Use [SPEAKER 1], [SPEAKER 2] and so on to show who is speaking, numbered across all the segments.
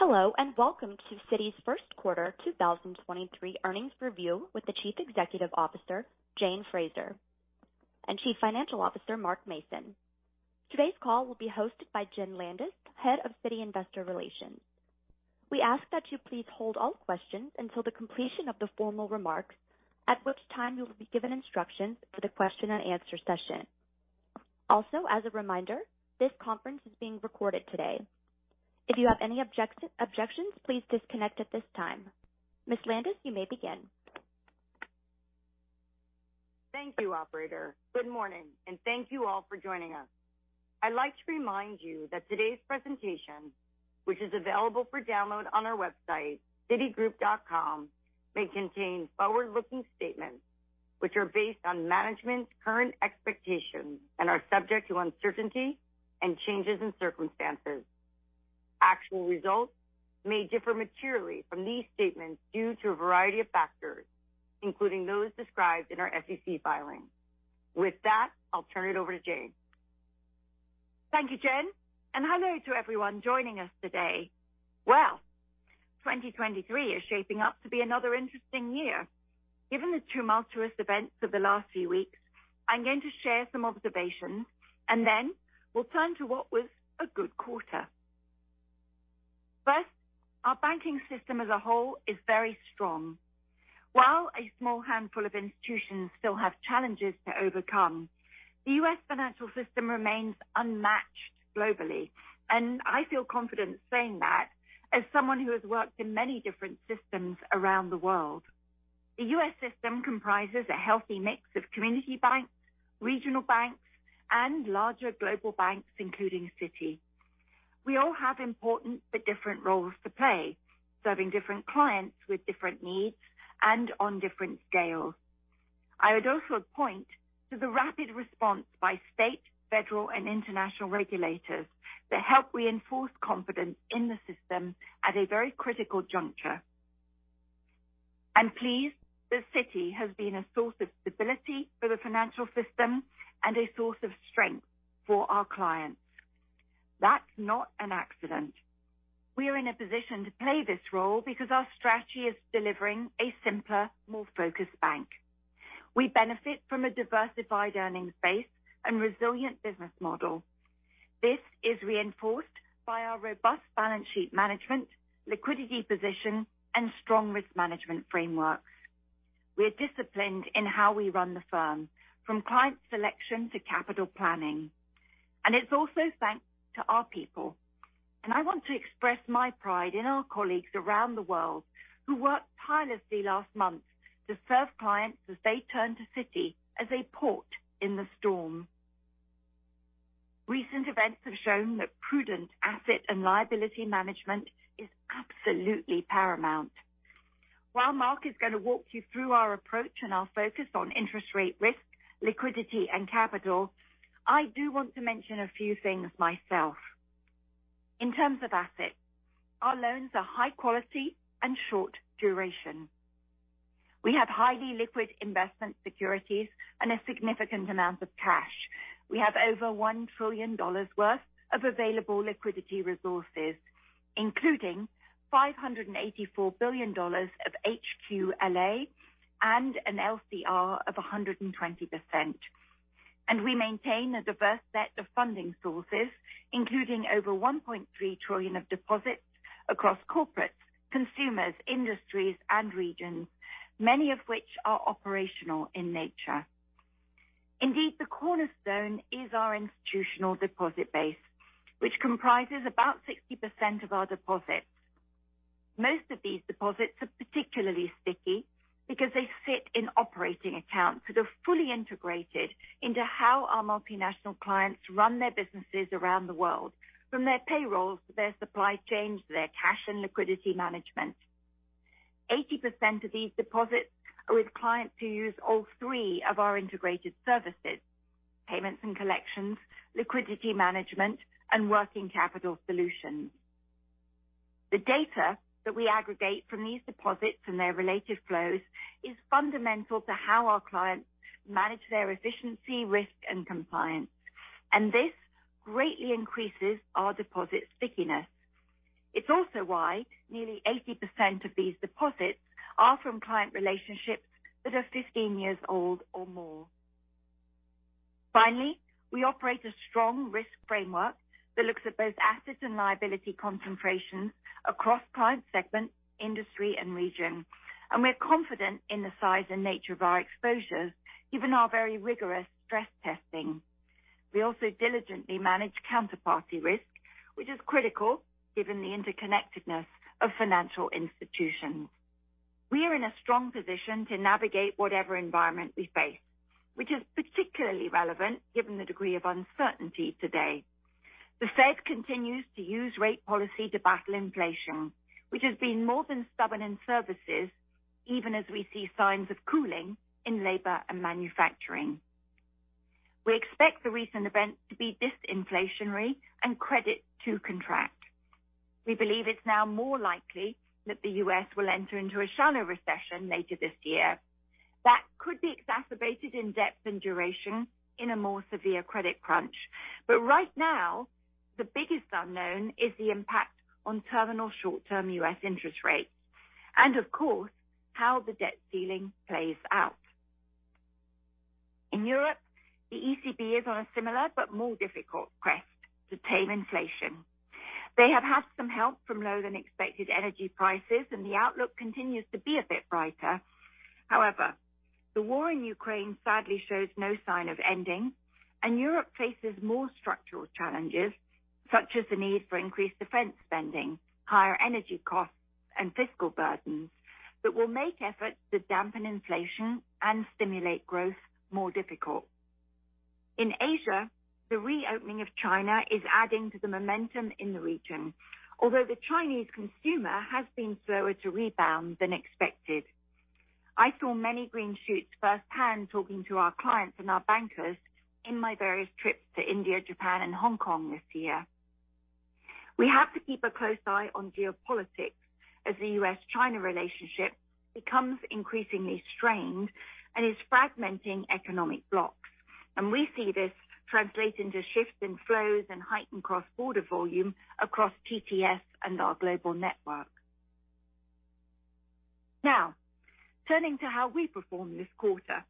[SPEAKER 1] Hello, welcome to Citi's first quarter 2023 earnings review with the Chief Executive Officer, Jane Fraser, and Chief Financial Officer, Mark Mason. Today's call will be hosted by Jenn Landis, Head of Citi Investor Relations. We ask that you please hold all questions until the completion of the formal remarks, at which time you'll be given instructions for the question and answer session. As a reminder, this conference is being recorded today. If you have any objections, please disconnect at this time. Ms. Landis, you may begin.
[SPEAKER 2] Thank you, operator. Good morning, and thank you all for joining us. I'd like to remind you that today's presentation, which is available for download on our website, citigroup.com, may contain forward-looking statements, which are based on management's current expectations and are subject to uncertainty and changes in circumstances. Actual results may differ materially from these statements due to a variety of factors, including those described in our SEC filing. With that, I'll turn it over to Jane.
[SPEAKER 3] Thank you, Jenn, and hello to everyone joining us today. Well, 2023 is shaping up to be another interesting year. Given the tumultuous events of the last few weeks, I'm going to share some observations, and then we'll turn to what was a good quarter. First, our banking system as a whole is very strong. While a small handful of institutions still have challenges to overcome, the U.S. financial system remains unmatched globally. I feel confident saying that as someone who has worked in many different systems around the world. The U.S. system comprises a healthy mix of community banks, regional banks, and larger global banks, including Citi. We all have important but different roles to play, serving different clients with different needs and on different scales. I would also point to the rapid response by state, federal, and international regulators to help reinforce confidence in the system at a very critical juncture. I'm pleased that Citi has been a source of stability for the financial system and a source of strength for our clients. That's not an accident. We are in a position to play this role because our strategy is delivering a simpler, more focused bank. We benefit from a diversified earnings base and resilient business model. This is reinforced by our robust balance sheet management, liquidity position, and strong risk management frameworks. We are disciplined in how we run the firm, from client selection to capital planning. It's also thanks to our people. I want to express my pride in our colleagues around the world who worked tirelessly last month to serve clients as they turn to Citi as a port in the storm. Recent events have shown that prudent Asset and Liability Management is absolutely paramount. While Mark is gonna walk you through our approach and our focus on interest rate risk, liquidity, and capital, I do want to mention a few things myself. In terms of assets, our loans are high quality and short duration. We have highly liquid investment securities and a significant amount of cash. We have over $1 trillion worth of available liquidity resources, including $584 billion of HQLA and an LCR of 120%. We maintain a diverse set of funding sources, including over $1.3 trillion of deposits across corporates, consumers, industries, and regions, many of which are operational in nature. Indeed, the cornerstone is our institutional deposit base, which comprises about 60% of our deposits. Most of these deposits are particularly sticky because they sit in operating accounts that fully integrated into how our multinational clients run their businesses around the world, from their payrolls to their supply chains, their cash and liquidity management. 80% of these deposits are with clients who use all three of our integrated services, Payments and Collections, Liquidity Management, and Working Capital Solutions. The data that we aggregate from these deposits and their related flows is fundamental to how our clients manage their efficiency, risk, and compliance. This greatly increases our deposit stickiness. It's also why nearly 80% of these deposits are from client relationships that are 15 years old or more. We operate a strong risk framework that looks at both assets and liability concentrations across client segments, industry and region, and we're confident in the size and nature of our exposures, given our very rigorous stress testing. We also diligently manage counterparty risk, which is critical given the interconnectedness of financial institutions. We are in a strong position to navigate whatever environment we face, which is particularly relevant given the degree of uncertainty today. The Fed continues to use rate policy to battle inflation, which has been more than stubborn in services even as we see signs of cooling in labor and manufacturing. We expect the recent events to be disinflationary and credit to contract. We believe it's now more likely that the U.S. will enter into a shallow recession later this year. That could be exacerbated in depth and duration in a more severe credit crunch. Right now, the biggest unknown is the impact on terminal short-term U.S. interest rates and of course, how the debt ceiling plays out. In Europe, the ECB is on a similar but more difficult quest to tame inflation. They have had some help from lower than expected energy prices, and the outlook continues to be a bit brighter. The war in Ukraine sadly shows no sign of ending, and Europe faces more structural challenges, such as the need for increased defense spending, higher energy costs and fiscal burdens that will make efforts to dampen inflation and stimulate growth more difficult. In Asia, the reopening of China is adding to the momentum in the region. Although the Chinese consumer has been slower to rebound than expected. I saw many green shoots firsthand talking to our clients and our bankers in my various trips to India, Japan and Hong Kong this year. We have to keep a close eye on geopolitics as the U.S.-China relationship becomes increasingly strained and is fragmenting economic blocks. We see this translate into shifts in flows and heightened cross-border volume across TTS and our global network. Turning to how we performed this quarter.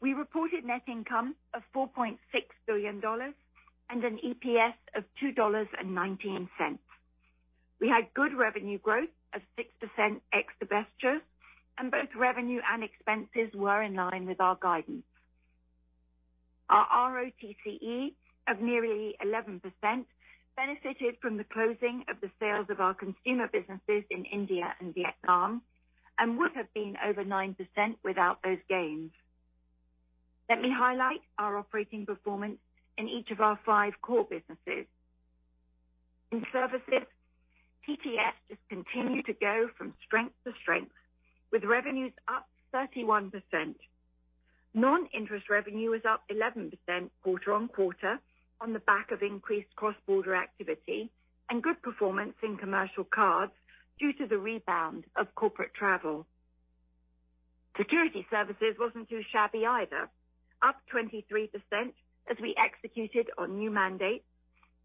[SPEAKER 3] We reported net income of $4.6 billion and an EPS of $2.19. We had good revenue growth of 6% ex divestitures, and both revenue and expenses were in line with our guidance. Our ROTCE of nearly 11% benefited from the closing of the Sales of our consumer businesses in India and Vietnam, and would have been over 9% without those gains. Let me highlight our operating performance in each of our five core businesses. In Services, TTS just continued to go from strength to strength, with revenues up 31%. Non-interest revenue is up 11% quarter-on-quarter on the back of increased cross-border activity and good performance in Commercial Cards due to the rebound of corporate travel. Securities Services wasn't too shabby either. Up 23% as we executed on new mandates,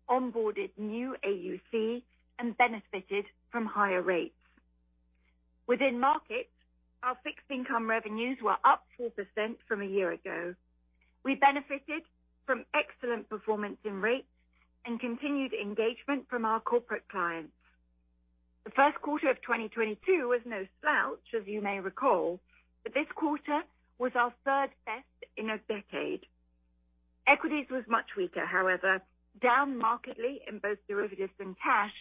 [SPEAKER 3] onboarded new AUC and benefited from higher rates. Within markets, our fixed income revenues were up 4% from a year ago. We benefited from excellent performance in rates and continued engagement from our corporate clients. The first quarter of 2022 was no slouch, as you may recall, but this quarter was our third best in a decade. Equities was much weaker, however, down markedly in both derivatives and cash,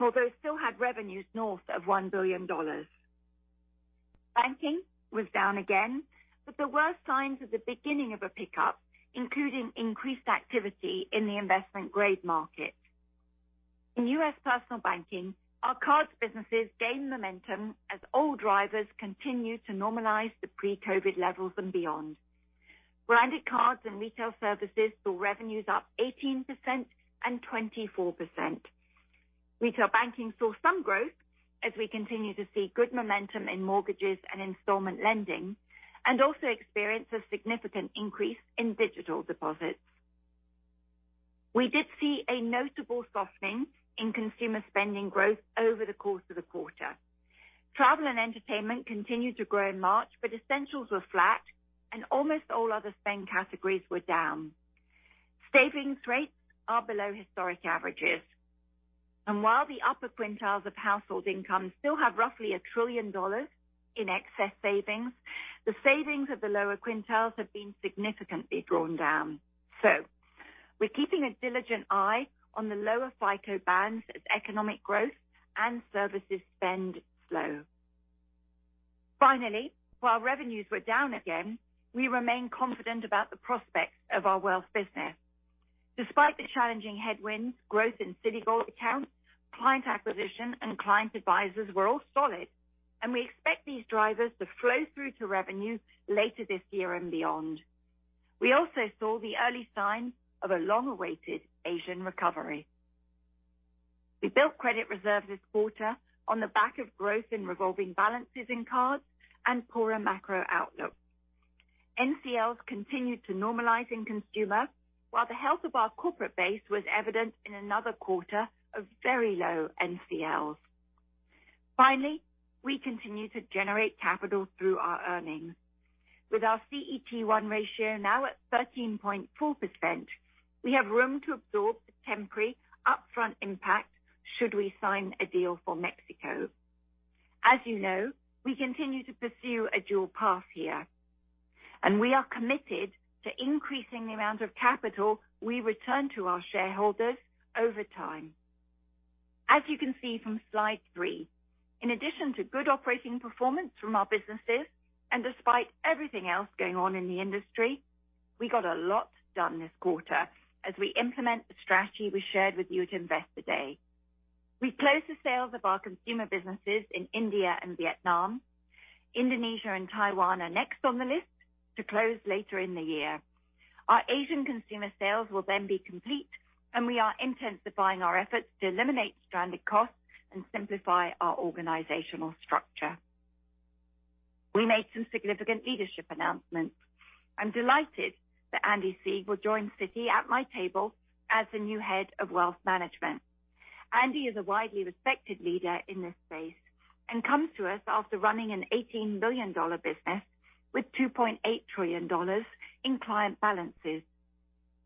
[SPEAKER 3] although still had revenues north of $1 billion. Banking was down again, but there were signs of the beginning of a pickup, including increased activity in the Investment Grade market. In U.S. Personal Banking, our Cards businesses gained momentum as all drivers continued to normalize the pre-COVID levels and beyond. Branded Cards and Retail Services saw revenues up 18% and 24%. Retail banking saw some growth as we continue to see good momentum in mortgages and installment lending, and also experienced a significant increase in digital deposits. We did see a notable softening in consumer spending growth over the course of the quarter. Travel and Entertainment continued to grow in March. Essentials were flat and almost all other spend categories were down. Savings rates are below historic averages, and while the upper quintiles of household income still have roughly $1 trillion in excess savings, the savings of the lower quintiles have been significantly drawn down. We're keeping a diligent eye on the lower FICO bands as economic growth and services spend slow. While Revenues were down again, we remain confident about the prospects of our Wealth business. Despite the challenging headwinds, growth in Citigold accounts, client acquisition and client advisors were all solid, and we expect these drivers to flow through to revenue later this year and beyond. We also saw the early signs of a long-awaited Asian recovery. We built credit reserves this quarter on the back of growth in revolving balances in cards and poorer macro outlook. NCLs continued to normalize in consumer, while the health of our corporate base was evident in another quarter of very low NCLs. Finally, we continue to generate capital through our earnings. With our CET1 ratio now at 13.4%, we have room to absorb the temporary upfront impact should we sign a deal for Mexico. As you know, we continue to pursue a dual path here, we are committed to increasing the amount of capital we return to our shareholders over time. As you can see from slide three, in addition to good operating performance from our businesses and despite everything else going on in the industry, we got a lot done this quarter as we implement the strategy we shared with you at Investor Day. We closed the sales of our consumer businesses in India and Vietnam. Indonesia and Taiwan are next on the list to close later in the year. We are intensifying our efforts to eliminate stranded costs and simplify our organizational structure. We made some significant leadership announcements. I'm delighted that Andy Sieg will join Citi at my table as the new Head of Wealth Management. Andy is a widely respected leader in this space and comes to us after running an $18 billion business with $2.8 trillion in client balances.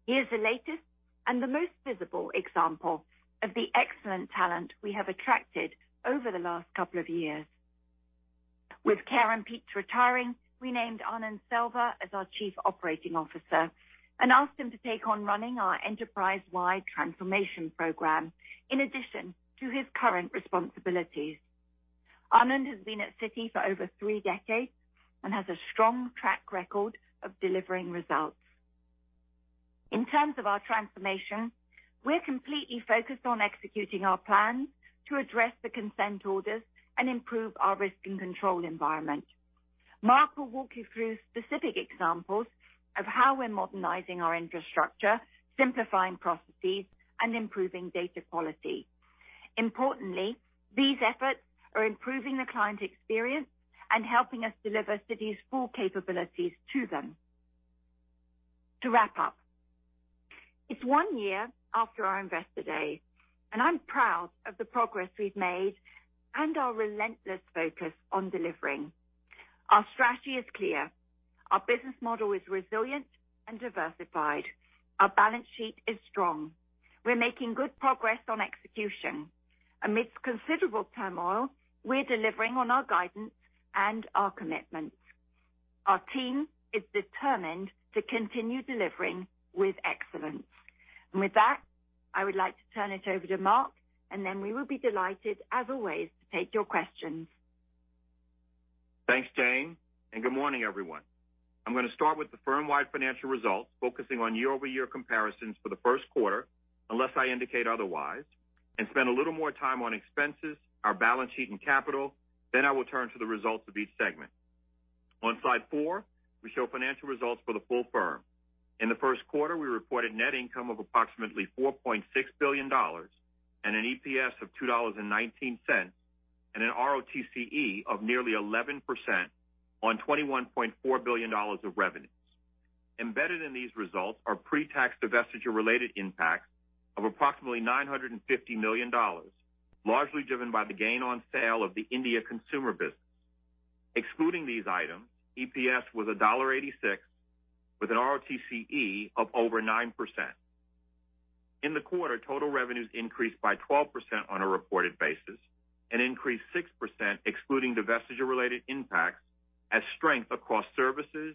[SPEAKER 3] He is the latest and the most visible example of the excellent talent we have attracted over the last couple of years. With Karen Peetz retiring, we named Anand Selvakesari as our Chief Operating Officer and asked him to take on running our enterprise-wide transformation program in addition to his current responsibilities. Anand has been at Citi for over three decades and has a strong track record of delivering results. In terms of our transformation, we're completely focused on executing our plan to address the consent orders and improve our risk and control environment. Mark will walk you through specific examples of how we're modernizing our infrastructure, simplifying processes, and improving data quality. Importantly, these efforts are improving the client experience and helping us deliver Citi's full capabilities to them. To wrap up, it's one year after our Investor Day, and I'm proud of the progress we've made and our relentless focus on delivering. Our strategy is clear. Our business model is resilient and diversified. Our balance sheet is strong. We're making good progress on execution. Amidst considerable turmoil, we're delivering on our guidance and our commitments. Our team is determined to continue delivering with excellence. With that, I would like to turn it over to Mark, and then we will be delighted, as always, to take your questions.
[SPEAKER 4] Good morning, everyone. I'm gonna start with the firm-wide financial results, focusing on year-over-year comparisons for the first quarter, unless I indicate otherwise, spend a little more time on expenses, our balance sheet, and capital. I will turn to the results of each segment. On slide four, we show financial results for the full firm. In the first quarter, we reported net income of approximately $4.6 billion and an EPS of $2.19, and an ROTCE of nearly 11% on $21.4 billion of revenues. Embedded in these results are pre-tax divestiture-related impacts of approximately $950 million, largely driven by the gain on sale of the India consumer business. Excluding these items, EPS was $1.86, with an ROTCE of over 9%. In the quarter, total revenues increased by 12% on a reported basis and increased 6% excluding divestiture-related impacts as strength across services,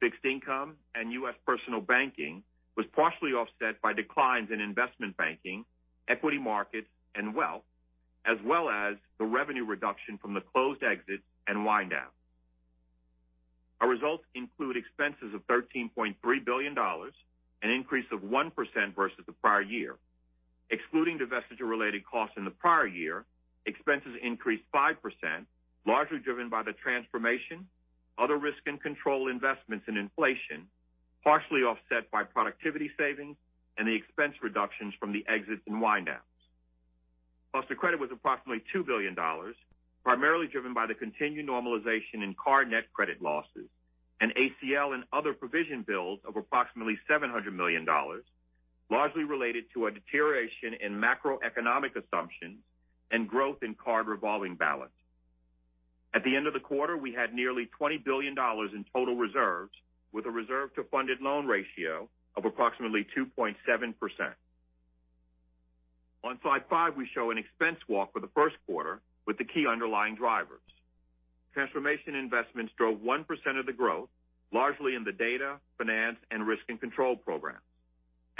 [SPEAKER 4] fixed income, and US Personal Banking was partially offset by declines in Investment Banking, Equity markets, and Wealth, as well as the revenue reduction from the closed exits and wind downs. Our results include expenses of $13.3 billion, an increase of 1% versus the prior year. Excluding divestiture-related costs in the prior year, expenses increased 5%, largely driven by the transformation, other risk and control investments in inflation, partially offset by productivity savings and the expense reductions from the exits and wind downs. Cost of Credit was approximately $2 billion, primarily driven by the continued normalization in Card net credit losses, and ACL, and other provision bills of approximately $700 million, largely related to a deterioration in macroeconomic assumptions and growth in card revolving balance. At the end of the quarter, we had nearly $20 billion in total reserves, with a reserve to funded loan ratio of approximately 2.7%. On slide five, we show an expense walk for the first quarter with the key underlying drivers. Transformation investments drove 1% of the growth, largely in the data, finance, and risk and control programs.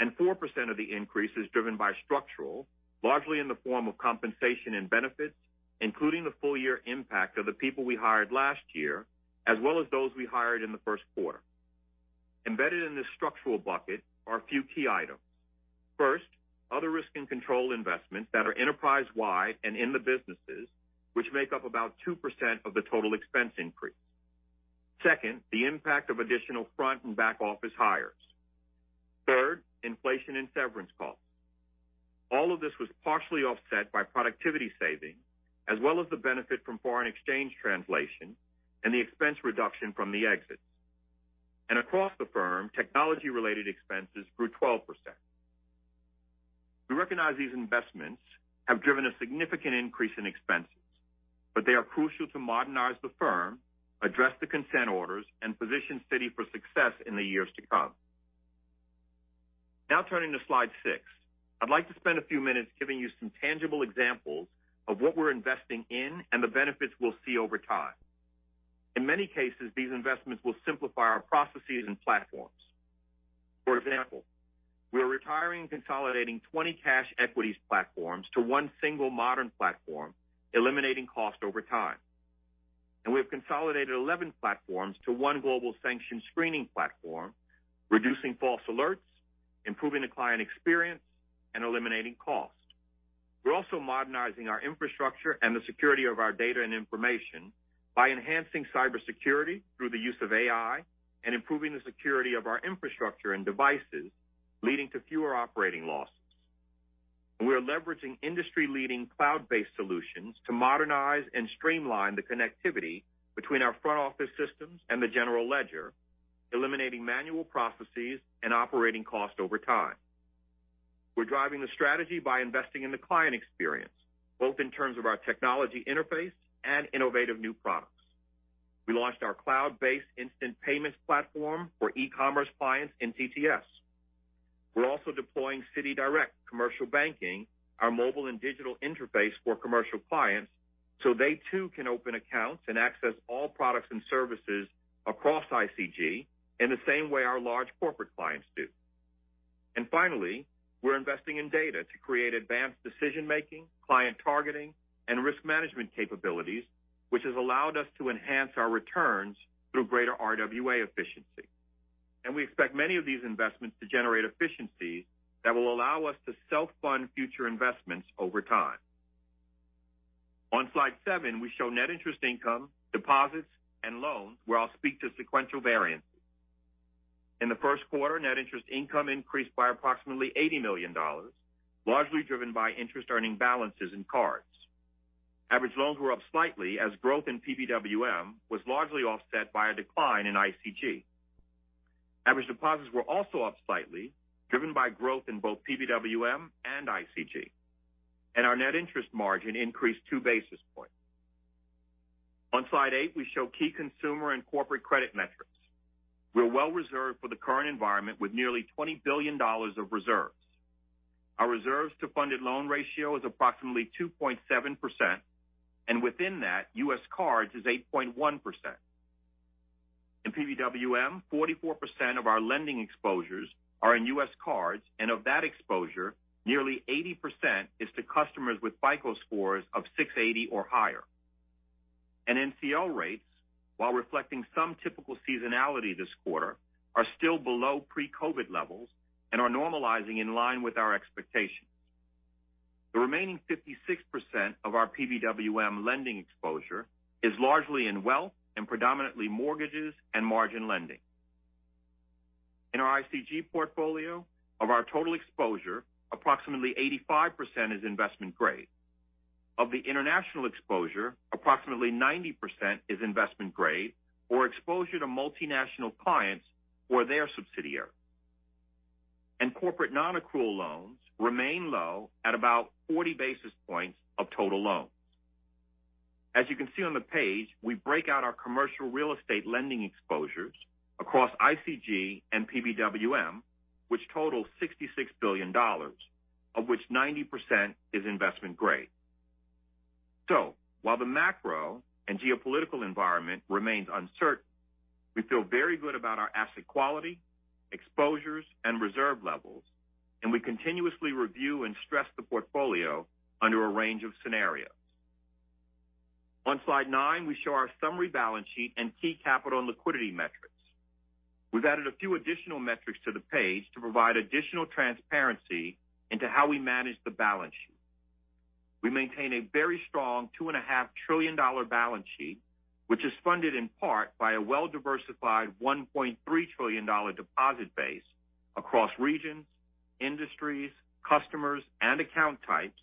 [SPEAKER 4] 4% of the increase is driven by structural, largely in the form of compensation and benefits, including the full year impact of the people we hired last year, as well as those we hired in the first quarter. Embedded in this structural bucket are a few key items. First, other risk and control investments that are enterprise-wide and in the businesses, which make up about 2% of the total expense increase. Second, the impact of additional front and back-office hires. Third, Inflation and Severance Costs. All of this was partially offset by productivity savings as well as the benefit from foreign exchange translation and the expense reduction from the exits. Across the firm, technology-related expenses grew 12%. We recognize these investments have driven a significant increase in expenses, but they are crucial to modernize the firm, address the consent orders, and position Citi for success in the years to come. Now turning to slide six. I'd like to spend a few minutes giving you some tangible examples of what we're investing in and the benefits we'll see over time. In many cases, these investments will simplify our processes and platforms. For example, we are retiring and consolidating 20 cash equities platforms to one single modern platform, eliminating cost over time. We have consolidated 11 platforms to one global sanction screening platform, reducing false alerts, improving the client experience, and eliminating cost. We're also modernizing our infrastructure and the security of our data and information by enhancing cybersecurity through the use of AI and improving the security of our infrastructure and devices, leading to fewer operating losses. We are leveraging industry-leading cloud-based solutions to modernize and streamline the connectivity between our front office systems and the general ledger, eliminating manual processes and operating costs over time. We're driving the strategy by investing in the client experience, both in terms of our technology interface and innovative new products. We launched our cloud-based instant payments platform for e-commerce clients in TTS. We're also deploying CitiDirect® Commercial Banking, our mobile and digital interface for commercial clients, so they too can open accounts and access all products and services across ICG in the same way our large corporate clients do. Finally, we're investing in data to create advanced decision-making, client targeting, and risk management capabilities, which has allowed us to enhance our returns through greater RWA efficiency. We expect many of these investments to generate efficiencies that will allow us to self-fund future investments over time. On slide seven, we show Net Interest Income, Deposits, and Loans, where I'll speak to sequential variances. In the first quarter, Net Interest Income increased by approximately $80 million, largely driven by interest earning balances in cards. Average Loans were up slightly as growth in PBWM was largely offset by a decline in ICG. Average Deposits were also up slightly, driven by growth in both PBWM and ICG. Our Net Interest Margin increased 2 basis points. On slide eight, we show key consumer and corporate credit metrics. We're well reserved for the current environment with nearly $20 billion of reserves. Our reserves to funded loan ratio is approximately 2.7%, and within that, US Cards is 8.1%. In PBWM, 44% of our lending exposures are in US cards, and of that exposure, nearly 80% is to customers with FICO scores of 680 or higher. NCL rates, while reflecting some typical seasonality this quarter, are still below pre-COVID levels and are normalizing in line with our expectations. The remaining 56% of our PBWM lending exposure is largely in Wealth and predominantly Mortgages and Margin Lending. In our ICG portfolio, of our Total Exposure, approximately 85% is Investment Grade. Of the International Exposure, approximately 90% is Investment Grade or exposure to multinational clients or their subsidiary. Corporate Non-Accrual Loans remain low at about 40 basis points of Total Loans. As you can see on the page, we break out our Commercial Real Estate lending exposures across ICG and PBWM, which total $66 billion, of which 90% is Investment Grade. While the macro and geopolitical environment remains uncertain, we feel very good about our asset quality, exposures, and reserve levels, and we continuously review and stress the portfolio under a range of scenarios. On slide nine, we show our summary balance sheet and key capital and liquidity metrics. We've added a few additional metrics to the page to provide additional transparency into how we manage the balance sheet. We maintain a very strong $2.5 trillion balance sheet, which is funded in part by a well-diversified $1.3 trillion deposit base across regions, industries, customers, and account types,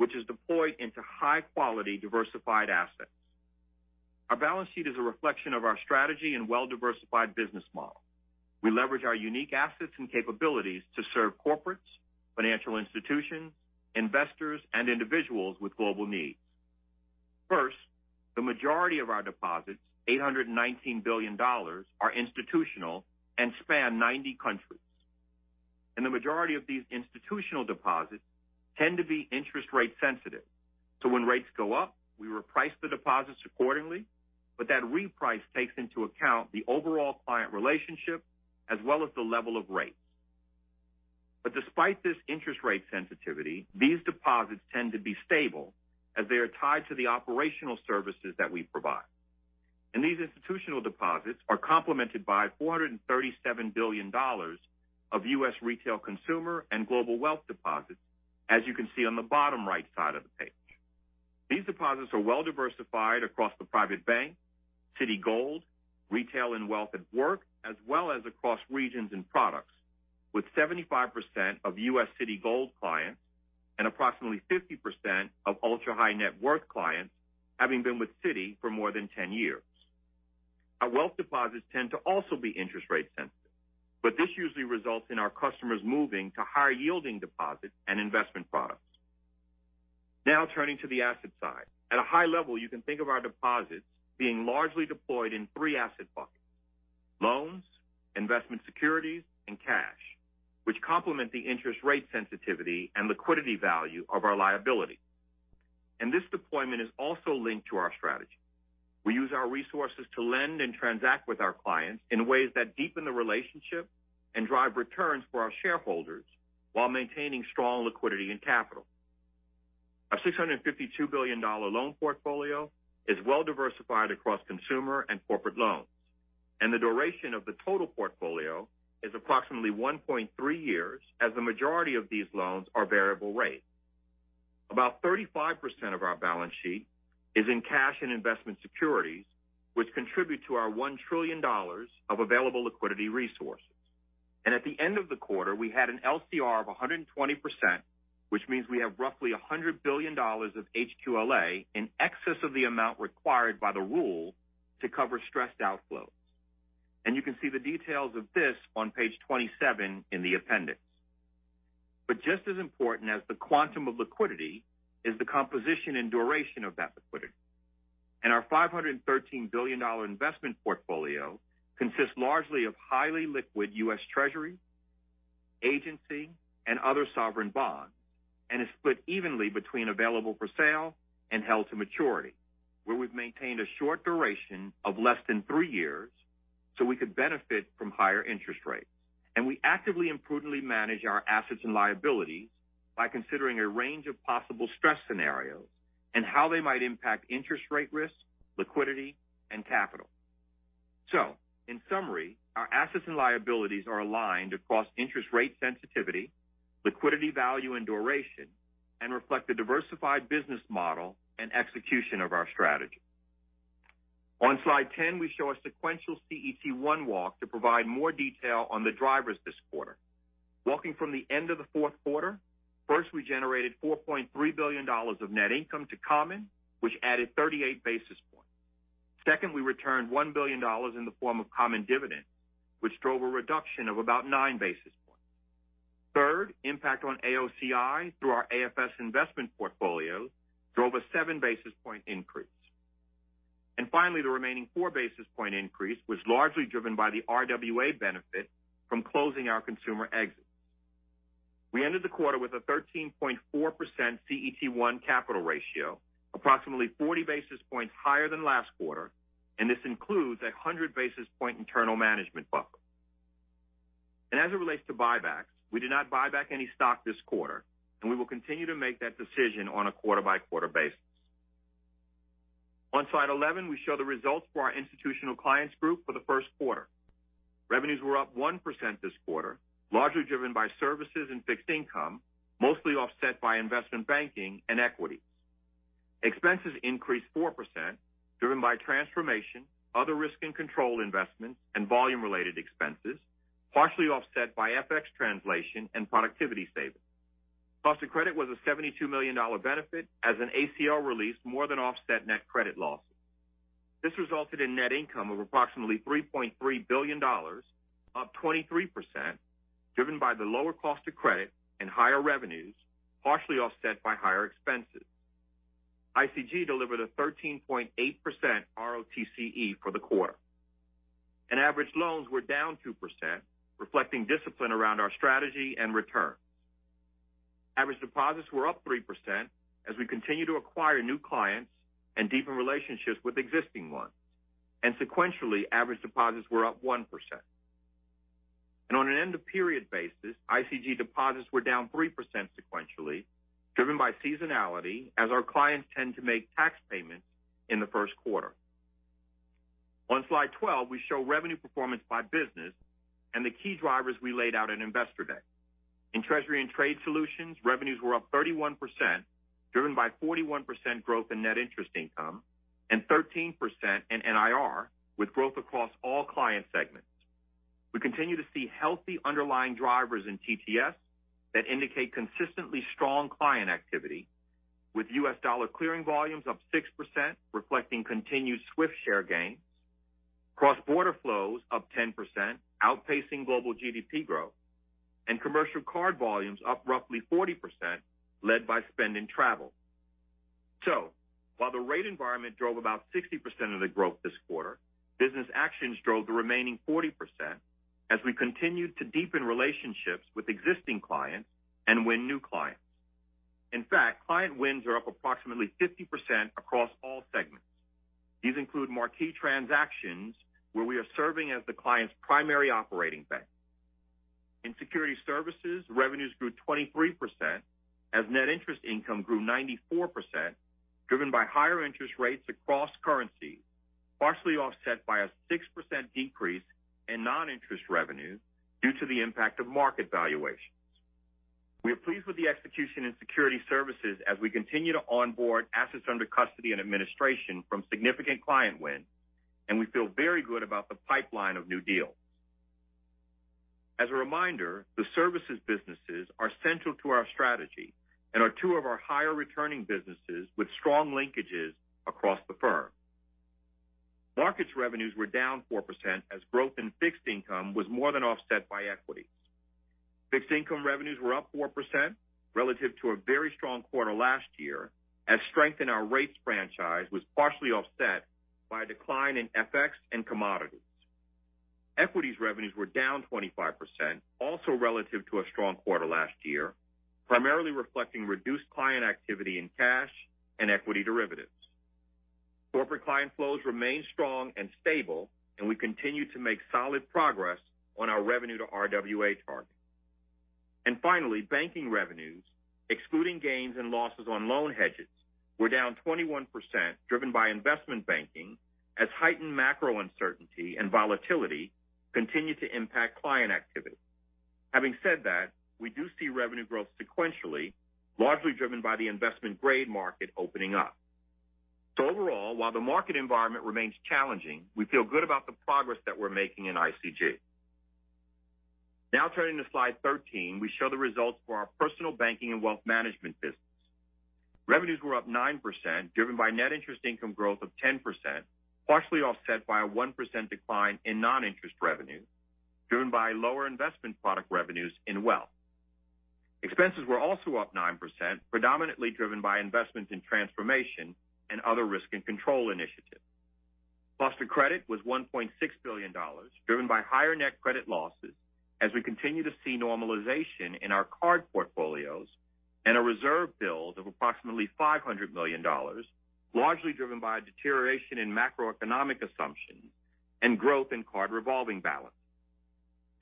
[SPEAKER 4] which is deployed into high-quality diversified assets. Our balance sheet is a reflection of our strategy and well-diversified business model. We leverage our unique assets and capabilities to serve corporates, financial institutions, investors, and individuals with global needs. First, the majority of our deposits, $819 billion, are institutional and span 90 countries. The majority of these institutional deposits tend to be interest rate sensitive. When rates go up, we reprice the deposits accordingly, but that reprice takes into account the overall client relationship as well as the level of rates. Despite this interest rate sensitivity, these deposits tend to be stable as they are tied to the operational services that we provide. These institutional deposits are complemented by $437 billion of US Retail Consumer and Global Wealth Deposits, as you can see on the bottom right side of the page. These deposits are well diversified across the private bank, Citigold, Retail and Wealth at Work, as well as across regions and products, with 75% of US Citigold clients and approximately 50% of ultra-high net worth clients having been with Citi for more than 10 years. Our Wealth deposits tend to also be interest rate sensitive, but this usually results in our customers moving to higher-yielding deposits and investment products. Now turning to the asset side. At a high level, you can think of our deposits being largely deployed in three asset buckets: Loans, Investment Securities, and Cash, which complement the interest rate sensitivity and liquidity value of our liability. This deployment is also linked to our strategy. We use our resources to lend and transact with our clients in ways that deepen the relationship and drive returns for our shareholders while maintaining strong Liquidity and Capital. Our $652 billion loan portfolio is well diversified across Consumer and Corporate loans. The duration of the total portfolio is approximately 1.3 years as the majority of these loans are variable rate. About 35% of our balance sheet is in Cash and Investment Securities, which contribute to our $1 trillion of available liquidity resources. At the end of the quarter, we had an LCR of 120%, which means we have roughly $100 billion of HQLA in excess of the amount required by the rule to cover stressed outflows. You can see the details of this on page 27 in the appendix. Just as important as the quantum of liquidity is the composition and duration of that liquidity. Our $513 billion investment portfolio consists largely of highly liquid US Treasury, agency, and other sovereign bonds, and is split evenly between available for sale and held to maturity, where we've maintained a short duration of less than three years so we could benefit from higher interest rates. We actively and prudently manage our Assets and Liabilities by considering a range of possible stress scenarios and how they might impact interest rate risk, liquidity, and capital. In summary, our assets and liabilities are aligned across interest rate sensitivity, liquidity value and duration, and reflect the diversified business model and execution of our strategy. On slide 10, we show a sequential CET1 walk to provide more detail on the drivers this quarter. Walking from the end of the fourth quarter, first we generated $4.3 billion of net income to common, which added 38 basis points. Second, we returned $1 billion in the form of common dividend, which drove a reduction of about 9 basis points. Third, impact on AOCI through our AFS investment portfolio drove a 7 basis point increase. Finally, the remaining 4 basis point increase was largely driven by the RWA benefit from closing our consumer exits. We ended the quarter with a 13.4% CET1 capital ratio, approximately 40 basis points higher than last quarter. This includes a 100 basis point internal management buffer. As it relates to buybacks, we did not buy back any stock this quarter. We will continue to make that decision on a quarter-by-quarter basis. On slide 11, we show the results for our Institutional Clients Group for the first quarter. Revenues were up 1% this quarter, largely driven by Services and Fixed Income, mostly offset by Investment Banking and Equities. Expenses increased 4% driven by transformation, other risk and control investments, and volume-related expenses, partially offset by FX translation and productivity savings. Cost of credit was a $72 million benefit as an ACL release more than offset net credit losses. This resulted in net income of approximately $3.3 billion, up 23%, driven by the lower cost of credit and higher revenues, partially offset by higher expenses. ICG delivered a 13.8% ROTCE for the quarter. Average loans were down 2%, reflecting discipline around our strategy and returns. Average deposits were up 3% as we continue to acquire new clients and deepen relationships with existing ones. Sequentially, average deposits were up 1%. On an end of period basis, ICG deposits were down 3% sequentially, driven by seasonality as our clients tend to make tax payments in the first quarter. On slide 12, we show revenue performance by business and the key drivers we laid out at Investor Day. In Treasury and Trade Solutions, revenues were up 31%, driven by 41% growth in Net Interest Income and 13% in NIR with growth across all client segments. We continue to see healthy underlying drivers in TTS that indicate consistently strong client activity with US dollar clearing volumes up 6%, reflecting continued swift share gains, cross-border flows up 10%, outpacing global GDP growth, and commercial card volumes up roughly 40% led by spend in travel. While the rate environment drove about 60% of the growth this quarter, business actions drove the remaining 40% as we continued to deepen relationships with existing clients and win new clients. In fact, client wins are up approximately 50% across all segments. These include marquee transactions where we are serving as the client's primary operating bank. In security services, revenues grew 23% as Net Interest Income grew 94%, driven by higher interest rates across currency, partially offset by a 6% decrease in non-interest revenue due to the impact of market valuations. We are pleased with the execution in security services as we continue to onboard assets under custody and administration from significant client wins, and we feel very good about the pipeline of new deals. As a reminder, the services businesses are central to our strategy and are two of our higher returning businesses with strong linkages across the firm. Markets revenues were down 4% as growth in fixed income was more than offset by Equities. Fixed Income revenues were up 4% relative to a very strong quarter last year as strength in our rates franchise was partially offset by a decline in FX and Commodities. Equities Revenues were down 25% also relative to a strong quarter last year, primarily reflecting reduced client activity in Cash and Equity Derivatives. Corporate client flows remain strong and stable. We continue to make solid progress on our revenue to RWA target. Finally, banking revenues, excluding gains and losses on loan hedges, were down 21%, driven by Investment Banking as heightened macro uncertainty and volatility continued to impact client activity. Having said that, we do see revenue growth sequentially, largely driven by the Investment Grade market opening up. Overall, while the market environment remains challenging, we feel good about the progress that we're making in ICG. Turning to Slide 13, we show the results for our Personal Banking and Wealth Management business. Revenues were up 9%, driven by Net Interest Income growth of 10%, partially offset by a 1% decline in Non-Interest Revenue, driven by lower investment product revenues in Wealth. Expenses were also up 9%, predominantly driven by investments in transformation and other risk and control initiatives. Cost of credit was $1.6 billion, driven by higher net credit losses as we continue to see normalization in our card portfolios and a reserve build of approximately $500 million, largely driven by a deterioration in macroeconomic assumptions and growth in card revolving balance.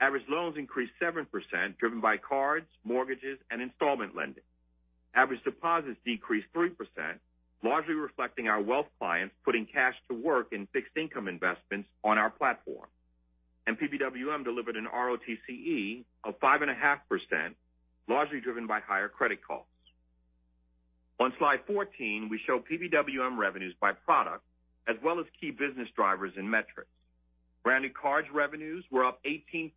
[SPEAKER 4] Average Loans increased 7% driven by Cards, Mortgages, and Installment Lending. Average Deposits decreased 3%, largely reflecting our Wealth clients putting cash to work in fixed income investments on our platform. PBWM delivered an ROTCE of 5.5%, largely driven by higher credit costs. On Slide 14, we show PBWM revenues by product as well as key business drivers and metrics. Branded cards revenues were up 18%,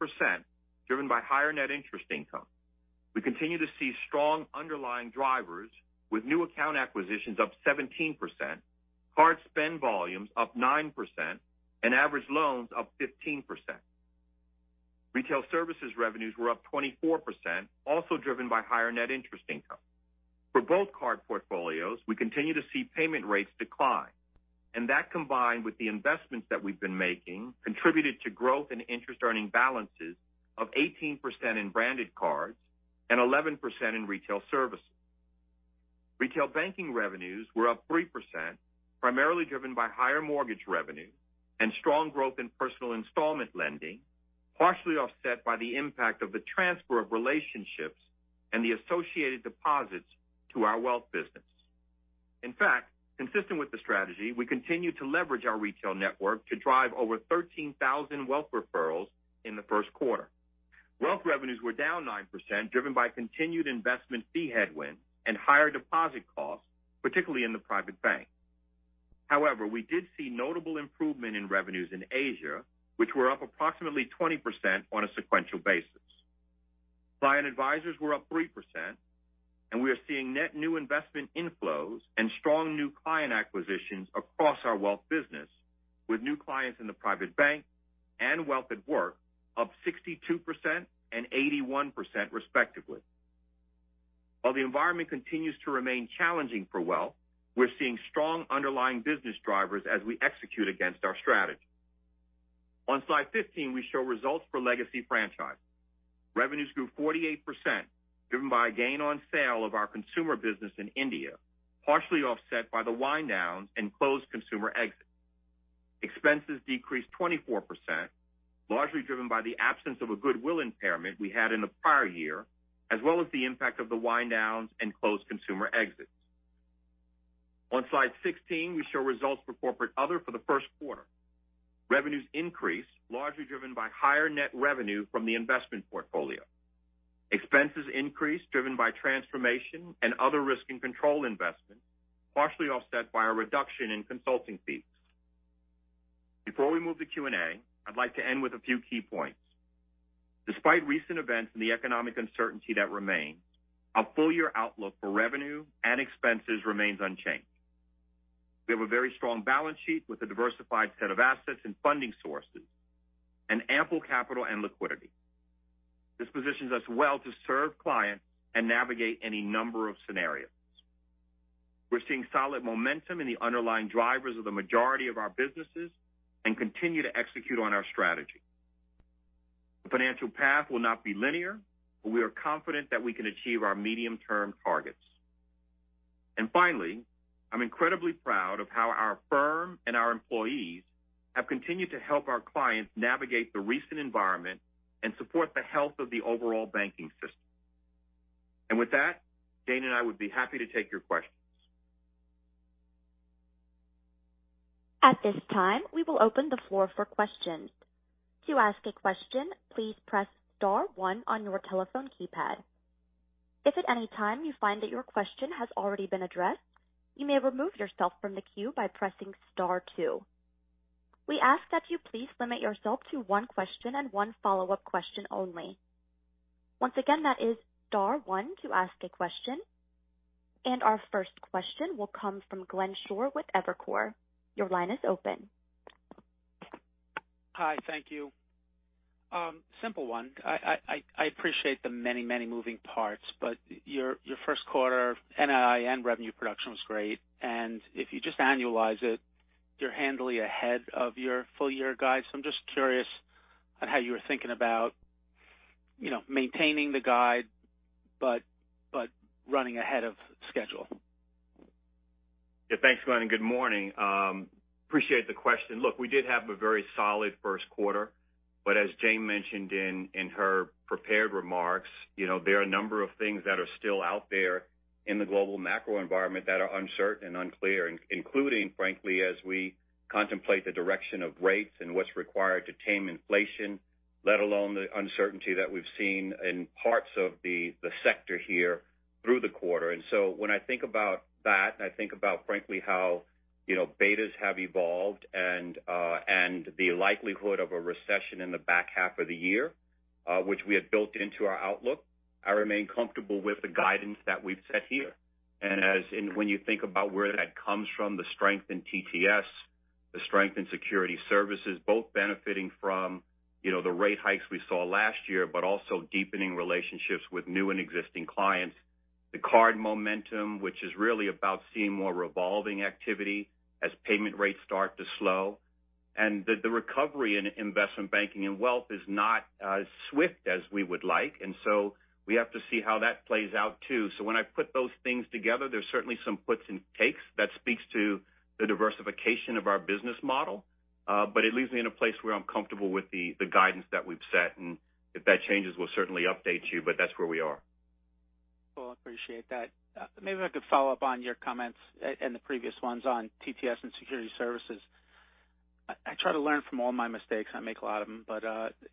[SPEAKER 4] driven by higher Net Interest Income. We continue to see strong underlying drivers with new account acquisitions up 17%, card spend volumes up 9%, and Average Loans up 15%. Retail Services Revenues were up 24%, also driven by higher Net Interest Income. For both Card portfolios, we continue to see payment rates decline, and that combined with the investments that we've been making contributed to growth in interest earning balances of 18% in branded cards and 11% in Retail Services. Retail Banking Revenues were up 3%, primarily driven by higher Mortgage Revenue and strong growth in Personal Installment lending, partially offset by the impact of the transfer of relationships and the associated deposits to our Wealth business. In fact, consistent with the strategy, we continue to leverage our retail network to drive over 13,000 Wealth referrals in the first quarter. Wealth Revenues were down 9%, driven by continued investment fee headwind and higher deposit costs, particularly in the private bank. We did see notable improvement in revenues in Asia, which were up approximately 20% on a sequential basis. Client advisors were up 3%. We are seeing net new investment inflows and strong new client acquisitions across our Wealth business, with new clients in the private bank and Wealth at Work up 62% and 81% respectively. The environment continues to remain challenging for Wealth, we're seeing strong underlying business drivers as we execute against our strategy. Slide 15, we show results for legacy franchise. Revenues grew 48%, driven by a gain on sale of our Consumer business in India, partially offset by the wind downs and closed consumer exits. Expenses decreased 24%, largely driven by the absence of a goodwill impairment we had in the prior year, as well as the impact of the wind downs and closed consumer exits. On Slide 16, we show results for corporate other for the first quarter. Revenues increased, largely driven by higher net revenue from the investment portfolio. Expenses increased, driven by transformation and other risk and control investments, partially offset by a reduction in consulting fees. Before we move to Q&A, I'd like to end with a few key points. Despite recent events and the economic uncertainty that remains, our full year outlook for revenue and expenses remains unchanged. We have a very strong balance sheet with a diversified set of assets and funding sources and ample capital and liquidity. This positions us well to serve clients and navigate any number of scenarios. We're seeing solid momentum in the underlying drivers of the majority of our businesses and continue to execute on our strategy. The financial path will not be linear, but we are confident that we can achieve our medium-term targets. Finally, I'm incredibly proud of how our firm and our employees have continued to help our clients navigate the recent environment and support the health of the overall banking system. With that, Jane and I would be happy to take your questions.
[SPEAKER 1] At this time, we will open the floor for questions. To ask a question, please press star one on your telephone keypad. If at any time you find that your question has already been addressed, you may remove yourself from the queue by pressing star two. We ask that you please limit yourself to one question and one follow-up question only. Once again, that is star one to ask a question. Our first question will come from Glenn Schorr with Evercore. Your line is open.
[SPEAKER 5] Hi. Thank you. Simple one. I appreciate the many, many moving parts, but your first quarter NII and revenue production was great. If you just annualize it, you're handily ahead of your full year guide. I'm just curious on how you were thinking about, you know, maintaining the guide, but running ahead of schedule.
[SPEAKER 4] Thanks, Glenn, and good morning. Appreciate the question. Look, we did have a very solid first quarter, but as Jane mentioned in her prepared remarks, you know, there are a number of things that are still out there in the global macro environment that are uncertain and unclear, including, frankly, as we contemplate the direction of rates and what's required to tame inflation, let alone the uncertainty that we've seen in parts of the sector here through the quarter. When I think about that, and I think about frankly how, you know, betas have evolved and the likelihood of a recession in the back half of the year, which we have built into our outlook, I remain comfortable with the guidance that we've set here. As in when you think about where that comes from, the strength in TTS, the strength in security services, both benefiting from, you know, the rate hikes we saw last year, but also deepening relationships with new and existing clients. The card momentum, which is really about seeing more revolving activity as payment rates start to slow. The recovery in Investment Banking and Wealth is not as swift as we would like. We have to see how that plays out too. When I put those things together, there's certainly some puts and takes that speaks to the diversification of our business model. It leaves me in a place where I'm comfortable with the guidance that we've set. If that changes, we'll certainly update you, but that's where we are.
[SPEAKER 5] Well, I appreciate that. Maybe if I could follow up on your comments and the previous ones on TTS and security services. I try to learn from all my mistakes. I make a lot of them.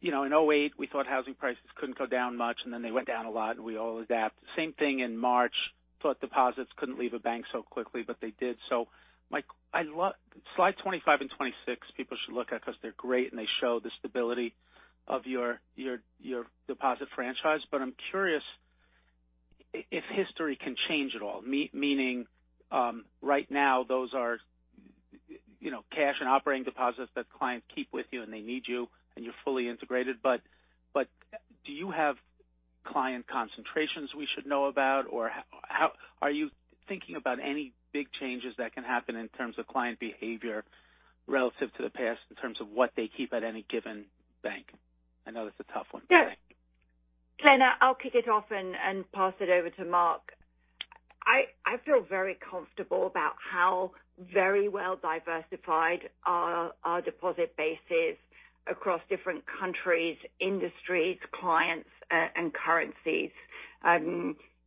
[SPEAKER 5] You know, in 2008, we thought housing prices couldn't go down much, and then they went down a lot, and we all adapt. Same thing in March. Thought deposits couldn't leave a bank so quickly, but they did. My Slide 25 and 26, people should look at because they're great, and they show the stability of your deposit franchise. I'm curious if history can change at all. Meaning, right now those are, you know, cash and operating deposits that clients keep with you, and they need you, and you're fully integrated. Do you have client concentrations we should know about? How are you thinking about any big changes that can happen in terms of client behavior relative to the past in terms of what they keep at any given bank? I know that's a tough one.
[SPEAKER 3] Yeah. Glenn, I'll kick it off and pass it over to Mark. I feel very comfortable about how very well diversified our deposit base is across different countries, industries, clients, and currencies.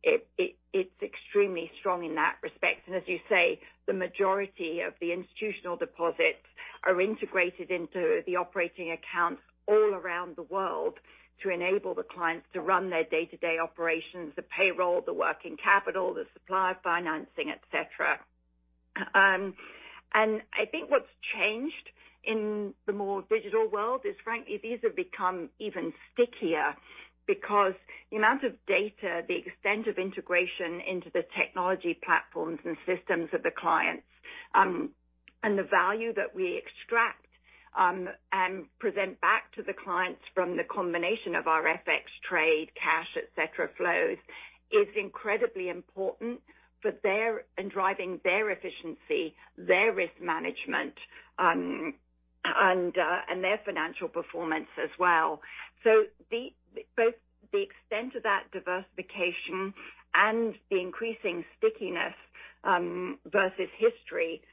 [SPEAKER 3] It's extremely strong in that respect. As you say, the majority of the institutional deposits are integrated into the operating accounts all around the world to enable the clients to run their day-to-day operations, the payroll, the working capital, the supply financing, et cetera. I think what's changed in the more digital world is, frankly, these have become even stickier because the amount of data, the extent of integration into the technology platforms and systems of the clients, and the value that we extract and present back to the clients from the combination of our FX trade, cash, et cetera, flows, is incredibly important in driving their efficiency, their risk management, and their financial performance as well. Both the extent of that diversification and the increasing stickiness versus history is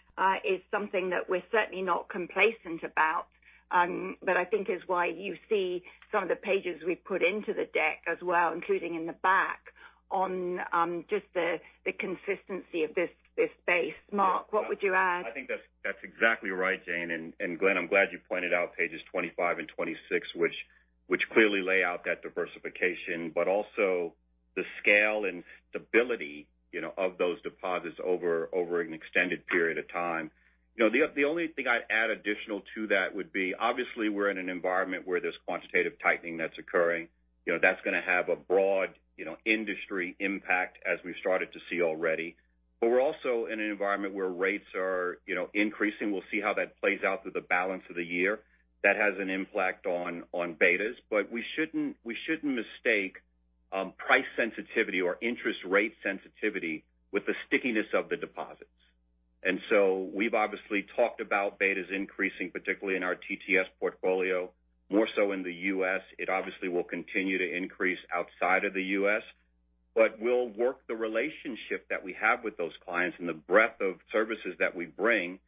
[SPEAKER 3] something that we're certainly not complacent about. I think is why you see some of the pages we've put into the deck as well, including in the back on just the consistency of this base. Mark, what would you add?
[SPEAKER 4] I think that's exactly right, Jane. Glenn, I'm glad you pointed out pages 25 and 26, which clearly lay out that diversification, but also the scale and stability, you know, of those deposits over an extended period of time. You know, the only thing I'd add additional to that would be, obviously we're in an environment where there's quantitative tightening that's occurring. You know, that's gonna have a broad, you know, industry impact as we've started to see already. We're also in an environment where rates are, you know, increasing. We'll see how that plays out through the balance of the year. That has an impact on betas. We shouldn't mistake price sensitivity or interest rate sensitivity with the stickiness of the deposits. We've obviously talked about betas increasing, particularly in our TTS portfolio, more so in the U.S. It obviously will continue to increase outside of the U.S. We'll work the relationship that we have with those clients and the breadth of services that we bring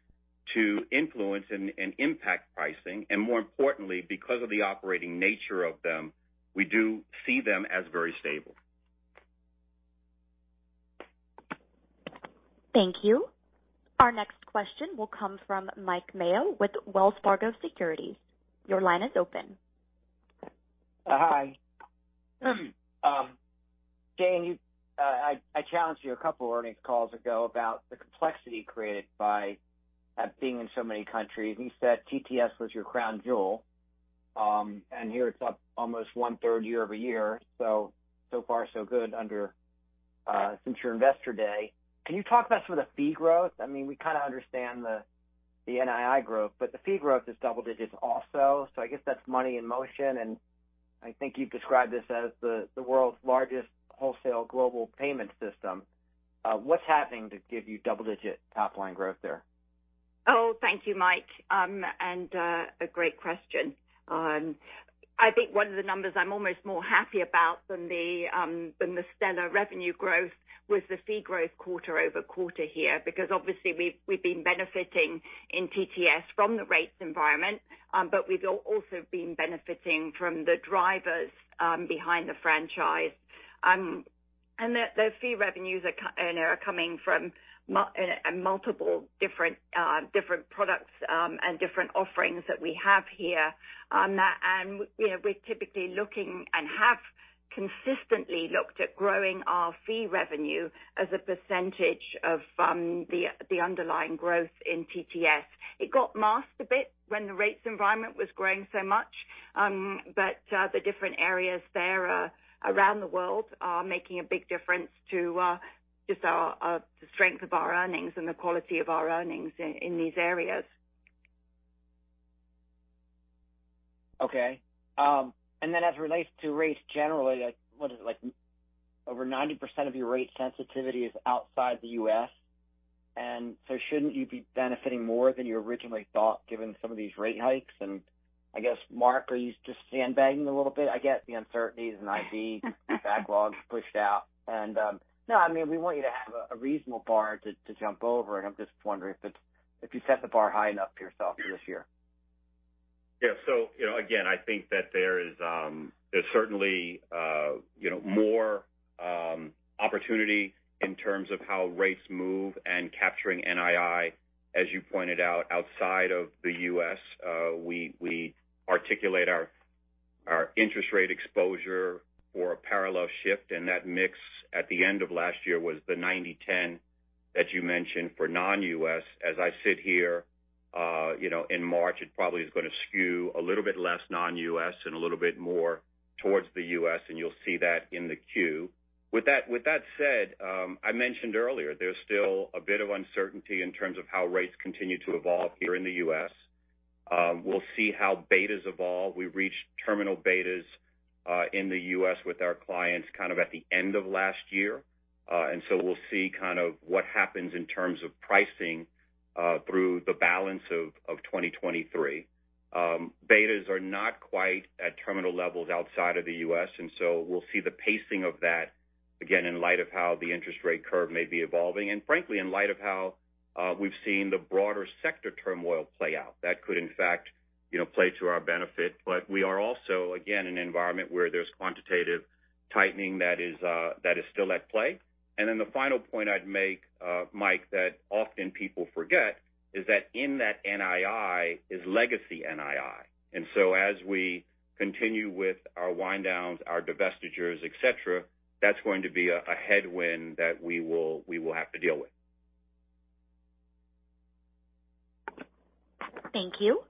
[SPEAKER 4] to influence and impact pricing. More importantly, because of the operating nature of them, we do see them as very stable.
[SPEAKER 1] Thank you. Our next question will come from Mike Mayo with Wells Fargo Securities. Your line is open.
[SPEAKER 6] Hi. Jane, I challenged you a couple of earnings calls ago about the complexity created by being in so many countries, and you said TTS was your crown jewel. And here it's up almost one-third year-over-year. So far so good under since your Investor Day. Can you talk about some of the fee growth? I mean, we kind of understand the NII growth, but the fee growth is double digits also. I guess that's money in motion, and I think you've described this as the world's largest wholesale global payment system. What's happening to give you double-digit top-line growth there?
[SPEAKER 3] Thank you, Mike. A great question. I think one of the numbers I'm almost more happy about than the stellar revenue growth was the fee growth quarter-over-quarter here. Obviously we've been benefiting in TTS from the rates environment, but we've also been benefiting from the drivers behind the franchise. The fee revenues are coming from multiple different products and different offerings that we have here on that. We're typically looking and have consistently looked at growing our fee revenue as a percentage of the underlying growth in TTS. It got masked a bit when the rates environment was growing so much. The different areas there, around the world are making a big difference to, just our, the strength of our earnings and the quality of our earnings in these areas.
[SPEAKER 6] Okay. As it relates to rates generally, like what is it like over 90% of your rate sensitivity is outside the U.S., and so shouldn't you be benefiting more than you originally thought given some of these rate hikes? I guess, Mark, are you just sandbagging a little bit? I get the uncertainties and IB backlog pushed out. No, I mean, we want you to have a reasonable bar to jump over, and I'm just wondering if you set the bar high enough for yourself this year.
[SPEAKER 4] You know, again, I think that there is, there's certainly, you know, more opportunity in terms of how rates move and capturing NII, as you pointed out, outside of the US. We articulate our interest rate exposure for a parallel shift, and that mix at the end of last year was the 90:10 that you mentioned for non-US. As I sit here, you know, in March, it probably is gonna skew a little bit less non-US and a little bit more towards the US, and you'll see that in the queue. With that said, I mentioned earlier there's still a bit of uncertainty in terms of how rates continue to evolve here in the US. We'll see how betas evolve. We've reached terminal betas, in the US with our clients kind of at the end of last year. We'll see kind of what happens in terms of pricing, through the balance of 2023. Betas are not quite at terminal levels outside of the US, we'll see the pacing of that, again, in light of how the interest rate curve may be evolving, and frankly, in light of how, we've seen the broader sector turmoil play out. That could in fact, you know, play to our benefit. We are also, again, an environment where there's quantitative tightening that is still at play. The final point I'd make, Mike, that often people forget is that in that NII is legacy NII. As we continue with our wind downs, our divestitures, et cetera, that's going to be a headwind that we will have to deal with.
[SPEAKER 1] Thank you.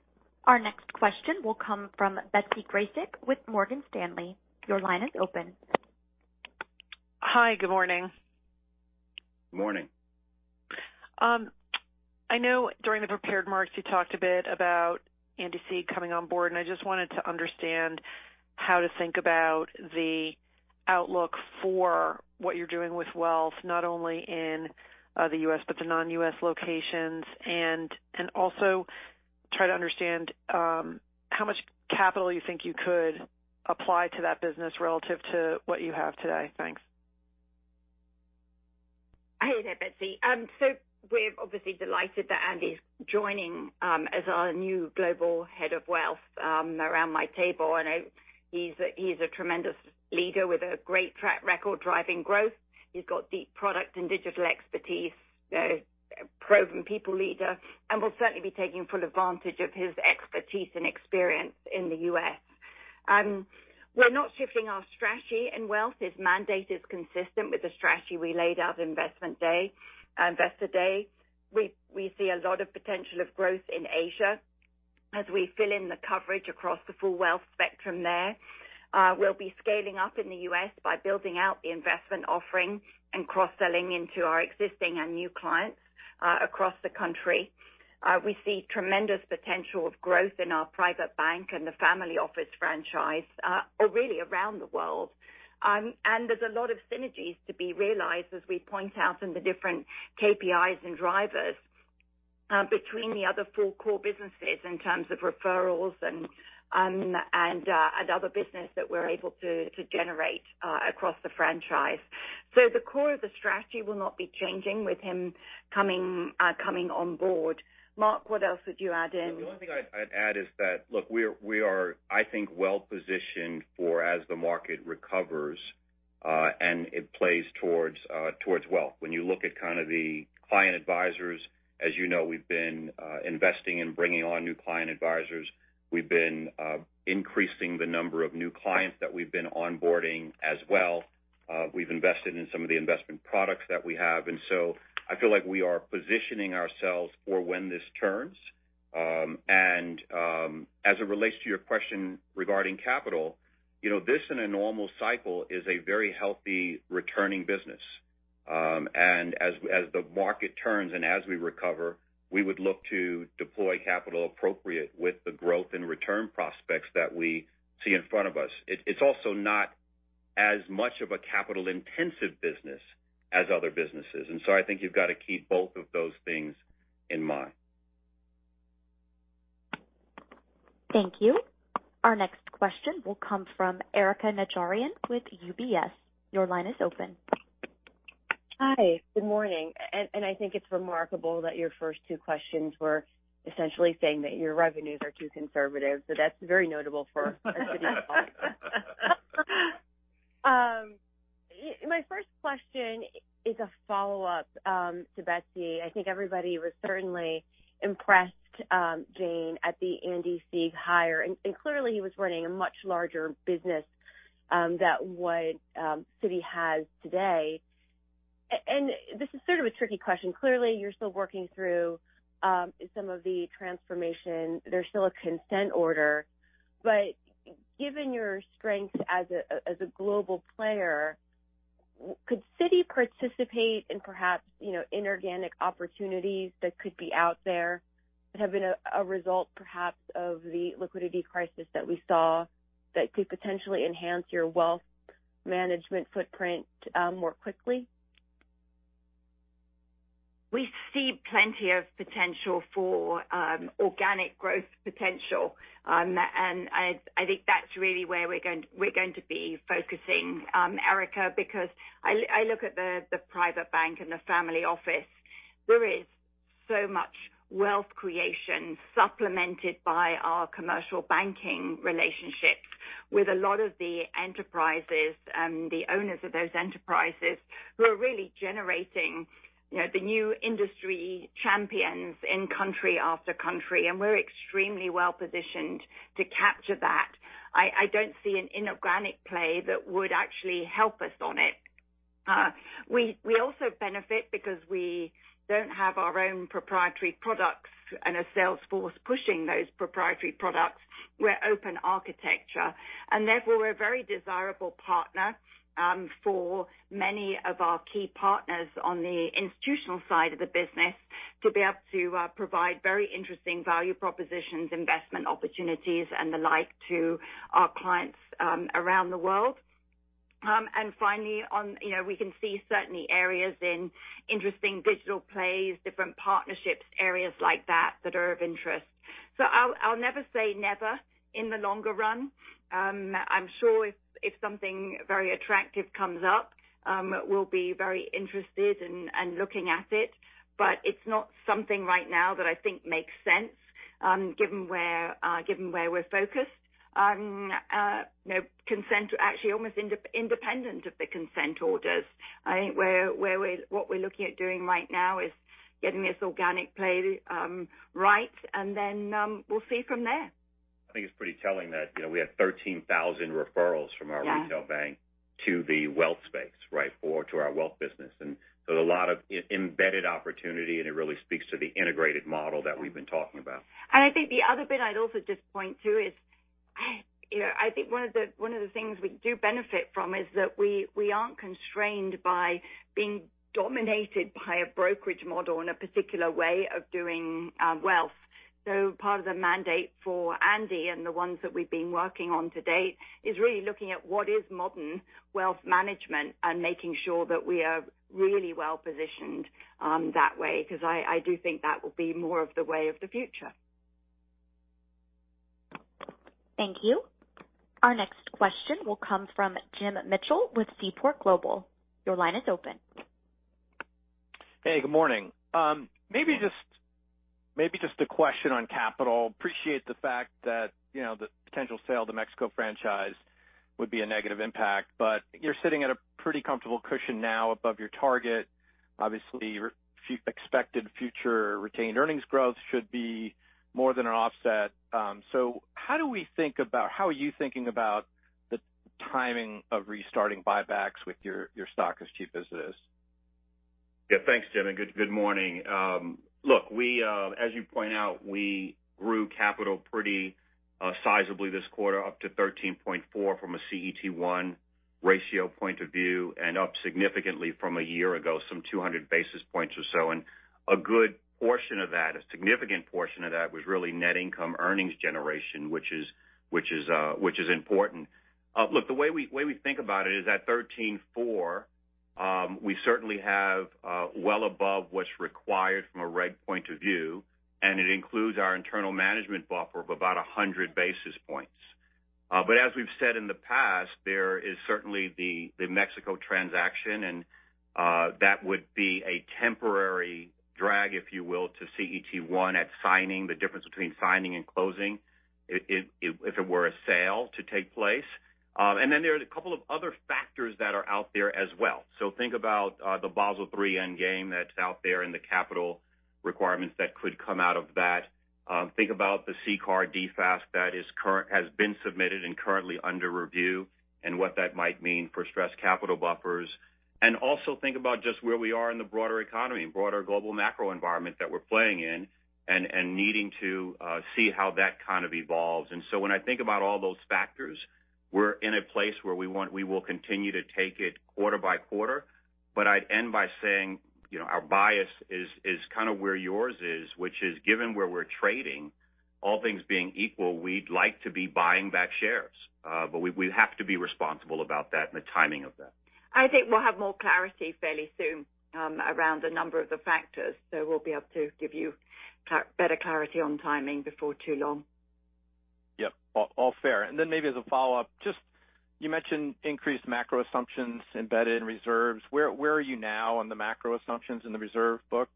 [SPEAKER 1] Our next question will come from Betsy Graseck with Morgan Stanley. Your line is open.
[SPEAKER 7] Hi. Good morning.
[SPEAKER 4] Morning.
[SPEAKER 7] I know during the prepared remarks, you talked a bit about Andy Sieg coming on board, and I just wanted to understand how to think about the outlook for what you're doing with Wealth, not only in the U.S., but the non-U.S. locations, and also try to understand how much capital you think you could apply to that business relative to what you have today. Thanks.
[SPEAKER 3] Hey there, Betsy. We're obviously delighted that Andy's joining as our new Global Head of Wealth around my table. I know he's a, he's a tremendous leader with a great track record driving growth. He's got deep product and digital expertise, proven people leader, and we'll certainly be taking full advantage of his expertise and experience in the US. We're not shifting our strategy, and Wealth, his mandate is consistent with the strategy we laid out Investor Day. We see a lot of potential of growth in Asia as we fill in the coverage across the full Wealth spectrum there. We'll be scaling up in the US by building out the investment offering and cross-selling into our existing and new clients, across the country. We see tremendous potential of growth in our private bank and the family office franchise really around the world. There's a lot of synergies to be realized as we point out in the different KPIs and drivers between the other four core businesses in terms of referrals and other business that we're able to generate across the franchise. The core of the strategy will not be changing with him coming on board. Mark, what else would you add in?
[SPEAKER 4] The only thing I'd add is that, look, we are, I think, well-positioned for as the market recovers, and it plays towards Wealth. When you look at kind of the client advisors, as you know, we've been investing in bringing on new client advisors. We've been increasing the number of new clients that we've been onboarding as well. We've invested in some of the investment products that we have, and so I feel like we are positioning ourselves for when this turns. As it relates to your question regarding capital, you know, this in a normal cycle is a very healthy returning business. And as the market turns and as we recover, we would look to deploy capital appropriate with the growth and return prospects that we see in front of us. It's also not as much of a capital-intensive business as other businesses. I think you've got to keep both of those things in mind.
[SPEAKER 1] Thank you. Our next question will come from Erika Najarian with UBS. Your line is open.
[SPEAKER 8] Hi, good morning. I think it's remarkable that your first 2 questions were essentially saying that your revenues are too conservative. That's very notable. My first question is a follow-up to Betsy. I think everybody was certainly impressed, Jane, at the Andy Sieg hire, and clearly, he was running a much larger business than what Citi has today. This is sort of a tricky question. Clearly, you're still working through some of the transformation. There's still a consent order. Given your strength as a global player, could Citi participate in perhaps, you know, inorganic opportunities that could be out there that have been a result perhaps of the liquidity crisis that we saw that could potentially enhance your Wealth management footprint more quickly?
[SPEAKER 3] We see plenty of potential for organic growth potential. I think that's really where we're going, we're going to be focusing, Erika, because I look at the private bank and the family office. There is so much Wealth creation supplemented by our commercial banking relationships with a lot of the enterprises and the owners of those enterprises who are really generating, you know, the new industry champions in country after country, and we're extremely well-positioned to capture that. I don't see an inorganic play that would actually help us on it. We also benefit because we don't have our own proprietary products and a sales force pushing those proprietary products. We're open architecture, therefore, we're a very desirable partner for many of our key partners on the institutional side of the business to be able to provide very interesting value propositions, investment opportunities, and the like to our clients around the world. Finally, on, you know, we can see certainly areas in interesting digital plays, different partnerships, areas like that are of interest. I'll never say never in the longer run. I'm sure if something very attractive comes up, we'll be very interested in looking at it. It's not something right now that I think makes sense, given where we're focused. You know, actually almost independent of the consent orders. I think where what we're looking at doing right now is getting this organic play right, then we'll see from there.
[SPEAKER 4] I think it's pretty telling that, you know, we have 13,000 referrals.
[SPEAKER 3] Yeah.
[SPEAKER 4] retail bank to the Wealth space, right? Or to our Wealth business. There's a lot of embedded opportunity, and it really speaks to the integrated model that we've been talking about.
[SPEAKER 3] I think the other bit I'd also just point to is, I, you know, I think one of the things we do benefit from is that we aren't constrained by being dominated by a brokerage model in a particular way of doing Wealth. Part of the mandate for Andy and the ones that we've been working on to date is really looking at what is modern Wealth management and making sure that we are really well-positioned that way because I do think that will be more of the way of the future.
[SPEAKER 1] Thank you. Our next question will come from Jim Mitchell with Seaport Global. Your line is open.
[SPEAKER 9] Hey, good morning. Maybe just a question on capital. Appreciate the fact that, you know, the potential sale of the Mexico franchise would be a negative impact, but you're sitting at a pretty comfortable cushion now above your target. Obviously, your expected future retained earnings growth should be more than an offset. How are you thinking about the timing of restarting buybacks with your stock as cheap as it is?
[SPEAKER 4] Yeah. Thanks, Jim, good morning. Look, we, as you point out, we grew capital pretty sizably this quarter, up to 13.4 from a CET1 ratio point of view and up significantly from a year ago, some 200 basis points or so. A good portion of that, a significant portion of that was really net income earnings generation, which is important. Look, the way we think about it is at 13.4, we certainly have well above what's required from a reg point of view, and it includes our internal management buffer of about 100 basis points. As we've said in the past, there is certainly the Mexico transaction, and that would be a temporary drag, if you will, to CET1 at signing, the difference between signing and closing if it were a sale to take place. Then there's a couple of other factors that are out there as well. Think about the Basel III end game that's out there and the capital requirements that could come out of that. Think about the CCAR DFAST that has been submitted and currently under review and what that might mean for stress capital buffers. Also think about just where we are in the broader economy and broader global macro environment that we're playing in and needing to see how that kind of evolves. When I think about all those factors, we're in a place where we will continue to take it quarter by quarter. I'd end by saying, you know, our bias is kind of where yours is, which is given where we're trading. All things being equal, we'd like to be buying back shares. We have to be responsible about that and the timing of that.
[SPEAKER 3] I think we'll have more clarity fairly soon, around the number of the factors, so we'll be able to give you better clarity on timing before too long.
[SPEAKER 9] Yep. All fair. Maybe as a follow-up, just you mentioned increased macro assumptions embedded in reserves. Where are you now on the macro assumptions in the reserve book?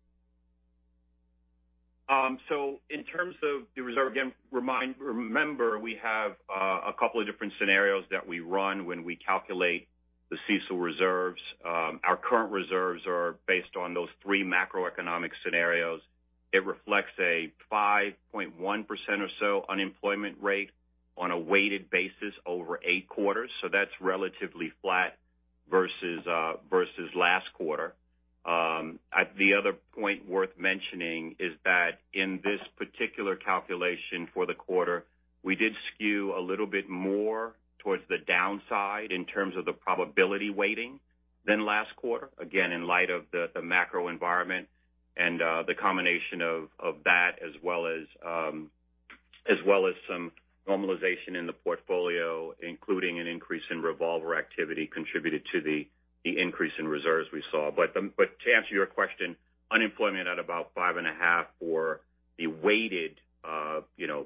[SPEAKER 4] In terms of the reserve, again, remember, we have a couple of different scenarios that we run when we calculate the CECL reserves. Our current reserves are based on those three macroeconomic scenarios. It reflects a 5.1% or so unemployment rate on a weighted basis over eight quarters. That's relatively flat versus last quarter. The other point worth mentioning is that in this particular calculation for the quarter, we did skew a little bit more towards the downside in terms of the probability weighting than last quarter. Again, in light of the macro environment and the combination of that as well as some normalization in the portfolio, including an increase in revolver activity contributed to the increase in reserves we saw. To answer your question, unemployment at about 5.5% for the weighted, you know,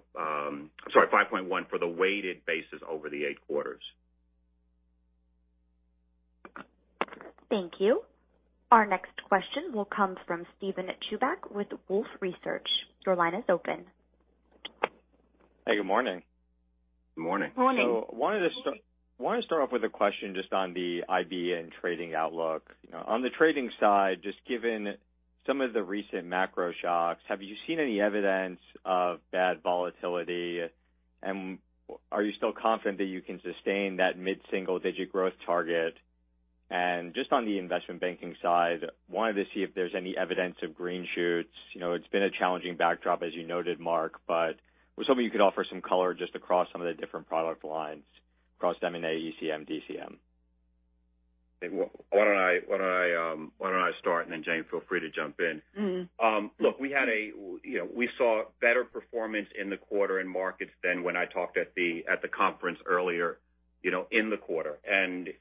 [SPEAKER 4] Sorry, 5.1% for the weighted basis over the eight quarters.
[SPEAKER 1] Thank you. Our next question will come from Steven Chubak with Wolfe Research. Your line is open.
[SPEAKER 10] Hey, good morning.
[SPEAKER 4] Good morning.
[SPEAKER 3] Morning.
[SPEAKER 10] Wanted to wanna start off with a question just on the IB and trading outlook. You know, on the trading side, just given some of the recent macro shocks, have you seen any evidence of bad volatility? Are you still confident that you can sustain that mid-single digit growth target? Just on the Investment Banking side, wanted to see if there's any evidence of green shoots. You know, it's been a challenging backdrop, as you noted, Mark, but was hoping you could offer some color just across some of the different product lines across M&A, ECM, DCM.
[SPEAKER 4] Why don't I start, and then Jane, feel free to jump in.
[SPEAKER 3] Mm-hmm.
[SPEAKER 4] Look, we had a, you know, we saw better performance in the quarter in markets than when I talked at the conference earlier, you know, in the quarter.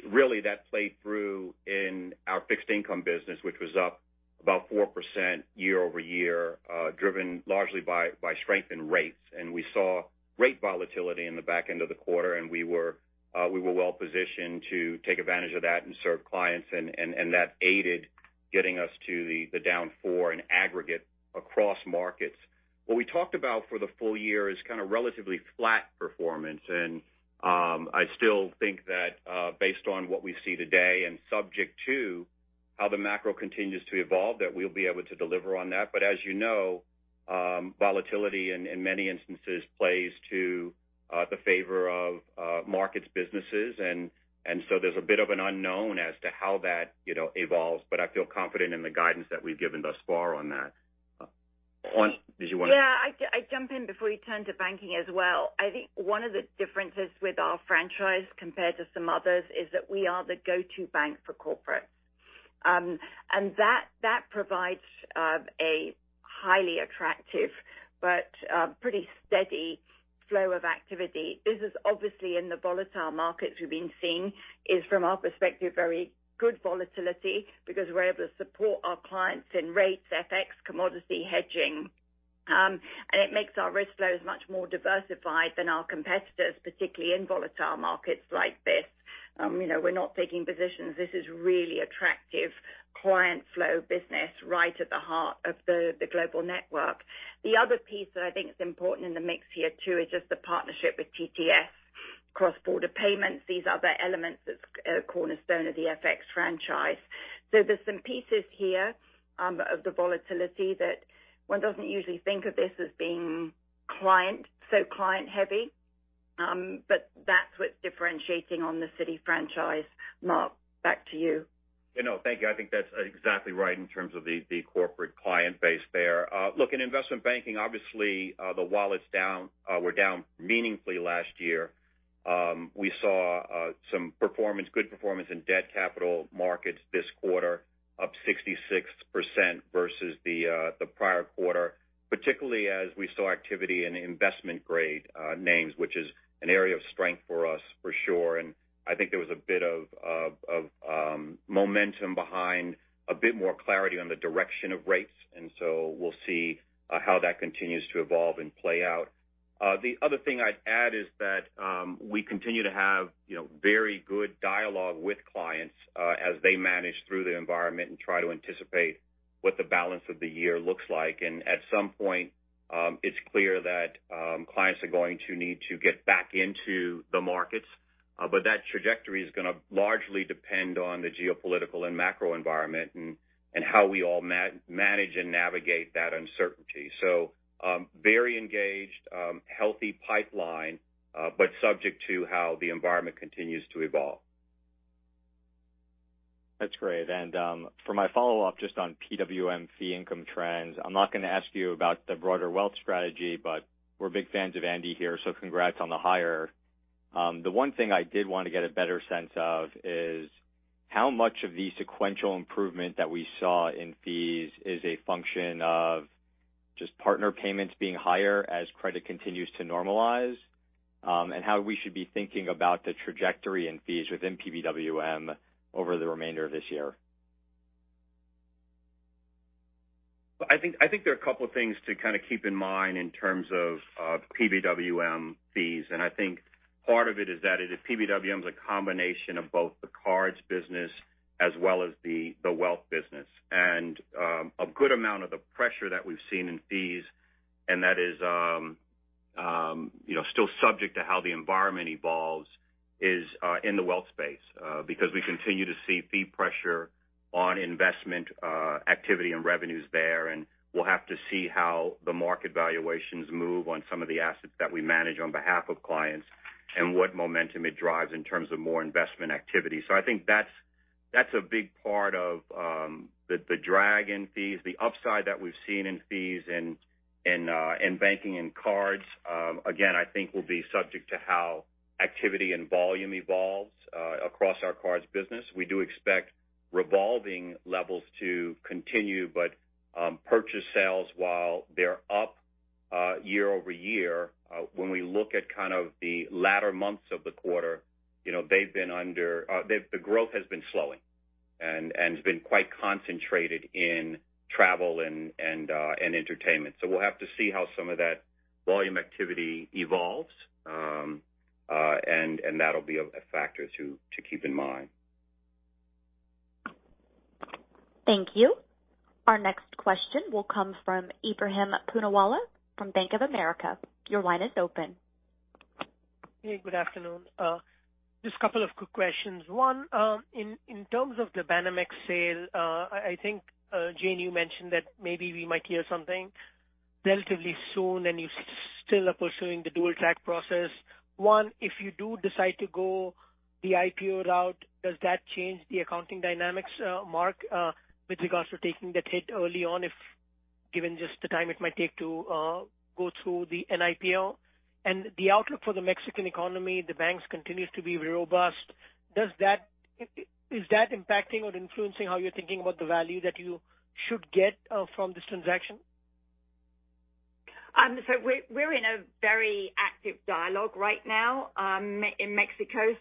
[SPEAKER 4] Really that played through in our fixed income business, which was up about 4% year-over-year, driven largely by strength in rates. We saw rate volatility in the back end of the quarter, and we were well positioned to take advantage of that and serve clients, and that aided getting us to the down 4 in aggregate across markets. What we talked about for the full year is kind of relatively flat performance, and I still think that, based on what we see today, and subject to how the macro continues to evolve, that we'll be able to deliver on that. As you know, volatility in many instances plays to the favor of markets businesses. So there's a bit of an unknown as to how that, you know, evolves, but I feel confident in the guidance that we've given thus far on that. Did you wanna.
[SPEAKER 3] Yeah. I'd jump in before you turn to banking as well. I think one of the differences with our franchise compared to some others is that we are the go-to bank for corporate. That provides a highly attractive but pretty steady flow of activity. This is obviously in the volatile markets we've been seeing is from our perspective, very good volatility because we're able to support our clients in rates, FX, commodity hedging. It makes our risk flows much more diversified than our competitors, particularly in volatile markets like this. You know, we're not taking positions. This is really attractive client flow business right at the heart of the global network. The other piece that I think is important in the mix here too, is just the partnership with TTS, cross-border payments, these other elements that's a cornerstone of the FX franchise. There's some pieces here of the volatility that one doesn't usually think of this as being client, so client heavy. That's what's differentiating on the Citi franchise. Mark, back to you.
[SPEAKER 4] You know, thank you. I think that's exactly right in terms of the corporate client base there. Look, in Investment Banking, obviously, the wallets down, were down meaningfully last year. We saw some performance, good performance in debt capital markets this quarter, up 66% versus the prior quarter, particularly as we saw activity in Investment Grade names, which is an area of strength for us for sure. I think there was a bit of momentum behind a bit more clarity on the direction of rates, so we'll see how that continues to evolve and play out. The other thing I'd add is that we continue to have, you know, very good dialogue with clients as they manage through the environment and try to anticipate what the balance of the year looks like. At some point, it's clear that clients are going to need to get back into the markets, but that trajectory is gonna largely depend on the geopolitical and macro environment and how we all manage and navigate that uncertainty. Very engaged, healthy pipeline, but subject to how the environment continues to evolve.
[SPEAKER 10] That's great. For my follow-up, just on PWM fee income trends, I'm not gonna ask you about the broader Wealth strategy, but we're big fans of Andy here, so congrats on the hire. The one thing I did want to get a better sense of is how much of the sequential improvement that we saw in fees is a function of just partner payments being higher as credit continues to normalize, and how we should be thinking about the trajectory in fees within PBWM over the remainder of this year.
[SPEAKER 4] I think there are a couple of things to kind of keep in mind in terms of PBWM fees. I think part of it is that PBWM is a combination of both the cards business as well as the Wealth business. A good amount of the pressure that we've seen in fees, and that is, you know, still subject to how the environment evolves is in the Wealth space because we continue to see fee pressure on investment activity and revenues there. We'll have to see how the market valuations move on some of the assets that we manage on behalf of clients and what momentum it drives in terms of more investment activity. I think that's a big part of the drag in fees. The upside that we've seen in fees in Banking and Cards, again, I think will be subject to how activity and volume evolves across our Cards business. We do expect revolving levels to continue, but purchase sales, while they're up year-over-year, when we look at kind of the latter months of the quarter, you know, the growth has been slowing and has been quite concentrated in travel and entertainment. We'll have to see how some of that volume activity evolves. And that'll be a factor to keep in mind.
[SPEAKER 1] Thank you. Our next question will come from Ebrahim Poonawala from Bank of America. Your line is open.
[SPEAKER 11] Hey, good afternoon. Just a couple of quick questions. One, in terms of the Banamex sale, I think Jane, you mentioned that maybe we might hear something relatively soon, and you still are pursuing the dual track process. One, if you do decide to go the IPO route, does that change the accounting dynamics, Mark, with regards to taking the hit early on, if given just the time it might take to go through an IPO? The outlook for the Mexican economy, the banks continues to be robust. Is that impacting or influencing how you're thinking about the value that you should get from this transaction?
[SPEAKER 3] We're in a very active dialogue right now in Mexico,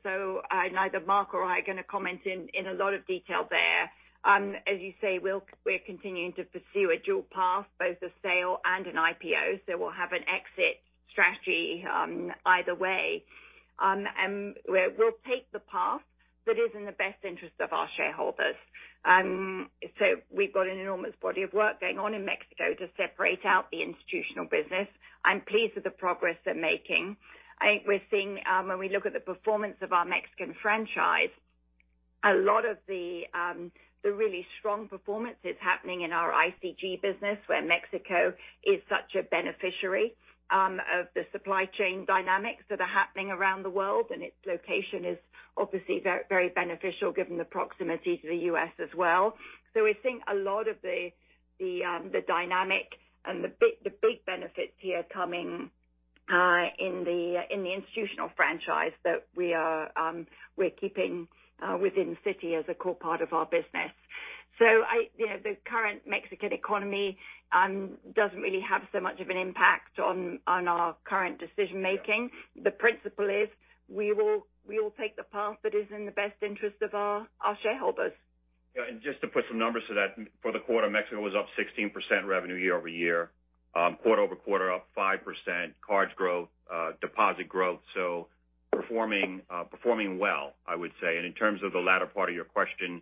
[SPEAKER 3] neither Mark or I are gonna comment in a lot of detail there. As you say, we're continuing to pursue a dual path, both a sale and an IPO. We'll have an exit strategy either way. We'll take the path that is in the best interest of our shareholders. We've got an enormous body of work going on in Mexico to separate out the institutional business. I'm pleased with the progress they're making. I think we're seeing, when we look at the performance of our Mexican franchise, a lot of the really strong performance is happening in our ICG business, where Mexico is such a beneficiary of the supply chain dynamics that are happening around the world. Its location is obviously very beneficial given the proximity to the US as well. We're seeing a lot of the dynamic and the big benefits here coming in the institutional franchise that we are keeping within Citi as a core part of our business. You know, the current Mexican economy doesn't really have so much of an impact on our current decision making. The principle is we will take the path that is in the best interest of our shareholders.
[SPEAKER 4] Yeah. Just to put some numbers to that, for the quarter, Mexico was up 16% revenue year-over-year. Quarter-over-quarter up 5%. Cards growth, Deposit growth. Performing well, I would say. In terms of the latter part of your question,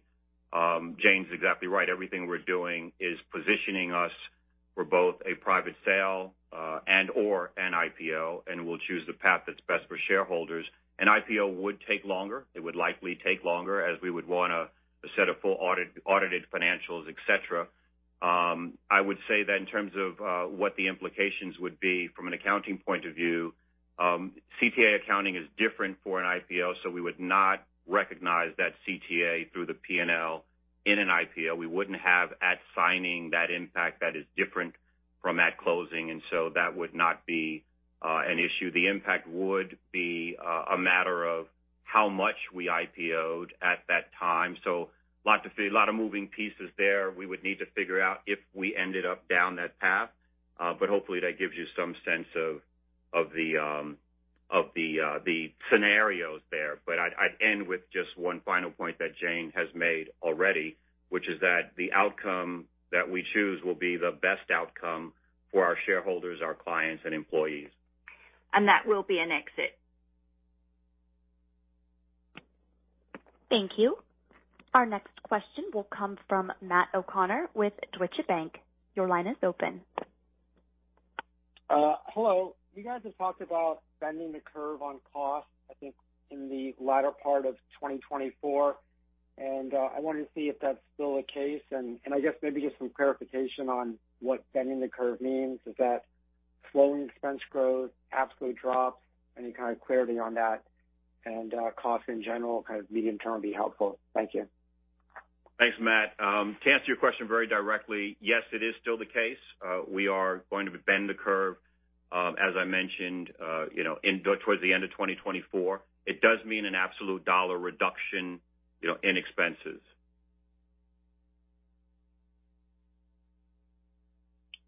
[SPEAKER 4] Jane's exactly right. Everything we're doing is positioning us for both a private sale and or an IPO, and we'll choose the path that's best for shareholders. An IPO would take longer. It would likely take longer as we would want a set of full audited financials, et cetera. I would say that in terms of what the implications would be from an accounting point of view, CTA accounting is different for an IPO, so we would not recognize that CTA through the P&L in an IPO. We wouldn't have at signing that impact that is different from at closing. That would not be an issue. The impact would be a matter of how much we IPO'd at that time. A lot of moving pieces there we would need to figure out if we ended up down that path. Hopefully that gives you some sense of the scenarios there. I'd end with just one final point that Jane has made already, which is that the outcome that we choose will be the best outcome for our shareholders, our clients, and employees.
[SPEAKER 3] That will be an exit.
[SPEAKER 1] Thank you. Our next question will come from Matt O'Connor with Deutsche Bank. Your line is open.
[SPEAKER 12] Hello. You guys have talked about bending the curve on costs, I think, in the latter part of 2024. I wanted to see if that's still the case. I guess maybe just some clarification on what bending the curve means. Is that slowing expense growth? Apps growth drops? Any kind of clarity on that and costs in general kind of medium-term would be helpful. Thank you.
[SPEAKER 4] Thanks, Matt. To answer your question very directly, yes, it is still the case. We are going to bend the curve, as I mentioned, you know, in go towards the end of 2024. It does mean an absolute dollar reduction, you know, in expenses.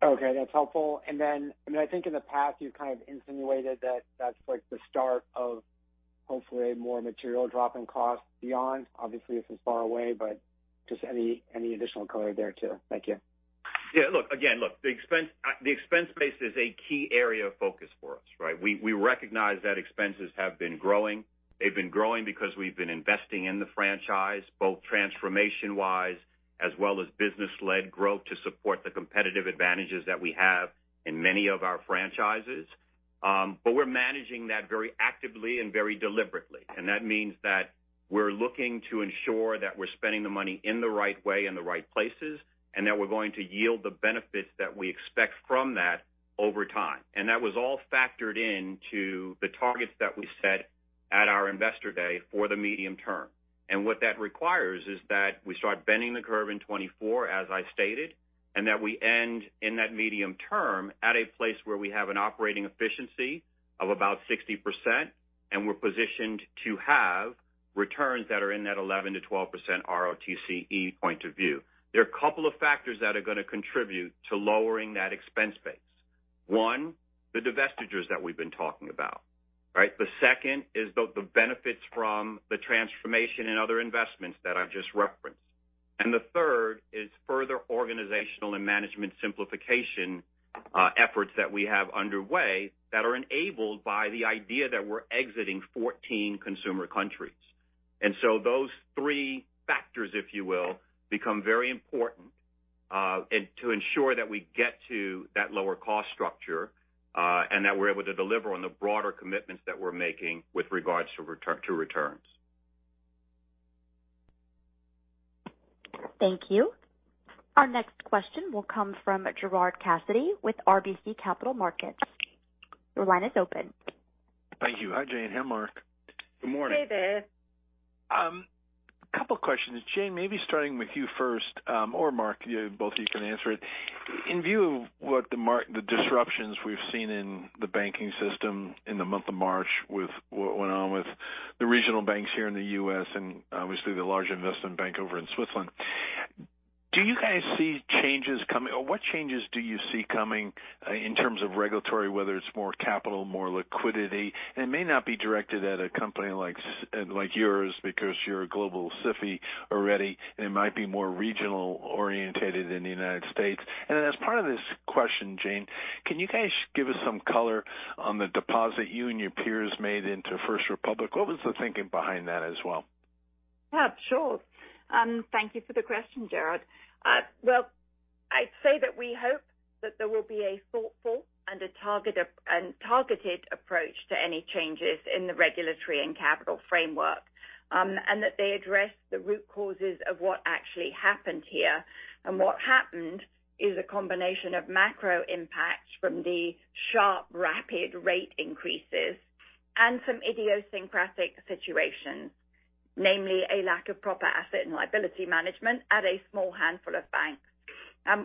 [SPEAKER 12] Okay. That's helpful. I mean, I think in the past, you've kind of insinuated that that's like the start of hopefully a more material drop in cost beyond. Obviously, this is far away, but just any additional color there too. Thank you.
[SPEAKER 4] Yeah. Look, again, the expense base is a key area of focus for us, right? We recognize that expenses have been growing. They've been growing because we've been investing in the franchise, both transformation-wise as well as business-led growth to support the competitive advantages that we have in many of our franchises. We're managing that very actively and very deliberately. That means that we're looking to ensure that we're spending the money in the right way, in the right places, and that we're going to yield the benefits that we expect from that over time. That was all factored into the targets that we set at our Investor Day for the medium term. What that requires is that we start bending the curve in 2024, as I stated, and that we end in that medium term at a place where we have an operating efficiency of about 60%, and we're positioned to have returns that are in that 11%-12% ROTCE point of view. There are a couple of factors that are gonna contribute to lowering that expense base. One, the divestitures that we've been talking about, right? The second is the benefits from the transformation and other investments that I've just referenced. The third is further organizational and management simplification, efforts that we have underway that are enabled by the idea that we're exiting 14 consumer countries. Those three factors, if you will, become very important, and to ensure that we get to that lower cost structure, and that we're able to deliver on the broader commitments that we're making with regards to returns.
[SPEAKER 1] Thank you. Our next question will come from Gerard Cassidy with RBC Capital Markets. Your line is open.
[SPEAKER 13] Thank you. Hi, Jane. Hey, Mark.
[SPEAKER 4] Good morning.
[SPEAKER 3] Hey there.
[SPEAKER 13] Couple questions. Jane, maybe starting with you first, or Mark, you know, both of you can answer it. In view of what the disruptions we've seen in the banking system in the month of March with what went on with the regional banks here in the U.S. and obviously the larger investment bank over in Switzerland, do you guys see changes coming, or what changes do you see coming in terms of regulatory, whether it's more capital, more liquidity? It may not be directed at a company like yours because you're a Global SIFI already, and it might be more regional-orientated in the U.S. Then as part of this question, Jane, can you guys give us some color on the deposit you and your peers made into First Republic? What was the thinking behind that as well?
[SPEAKER 3] Yeah, sure. Thank you for the question, Gerard. Well, I'd say that we hope that there will be a thoughtful and a targeted approach to any changes in the regulatory and capital framework, and that they address the root causes of what actually happened here. What happened is a combination of macro impacts from the sharp rapid rate increases and some idiosyncratic situations, namely a lack of proper Asset and Liability Management at a small handful of banks.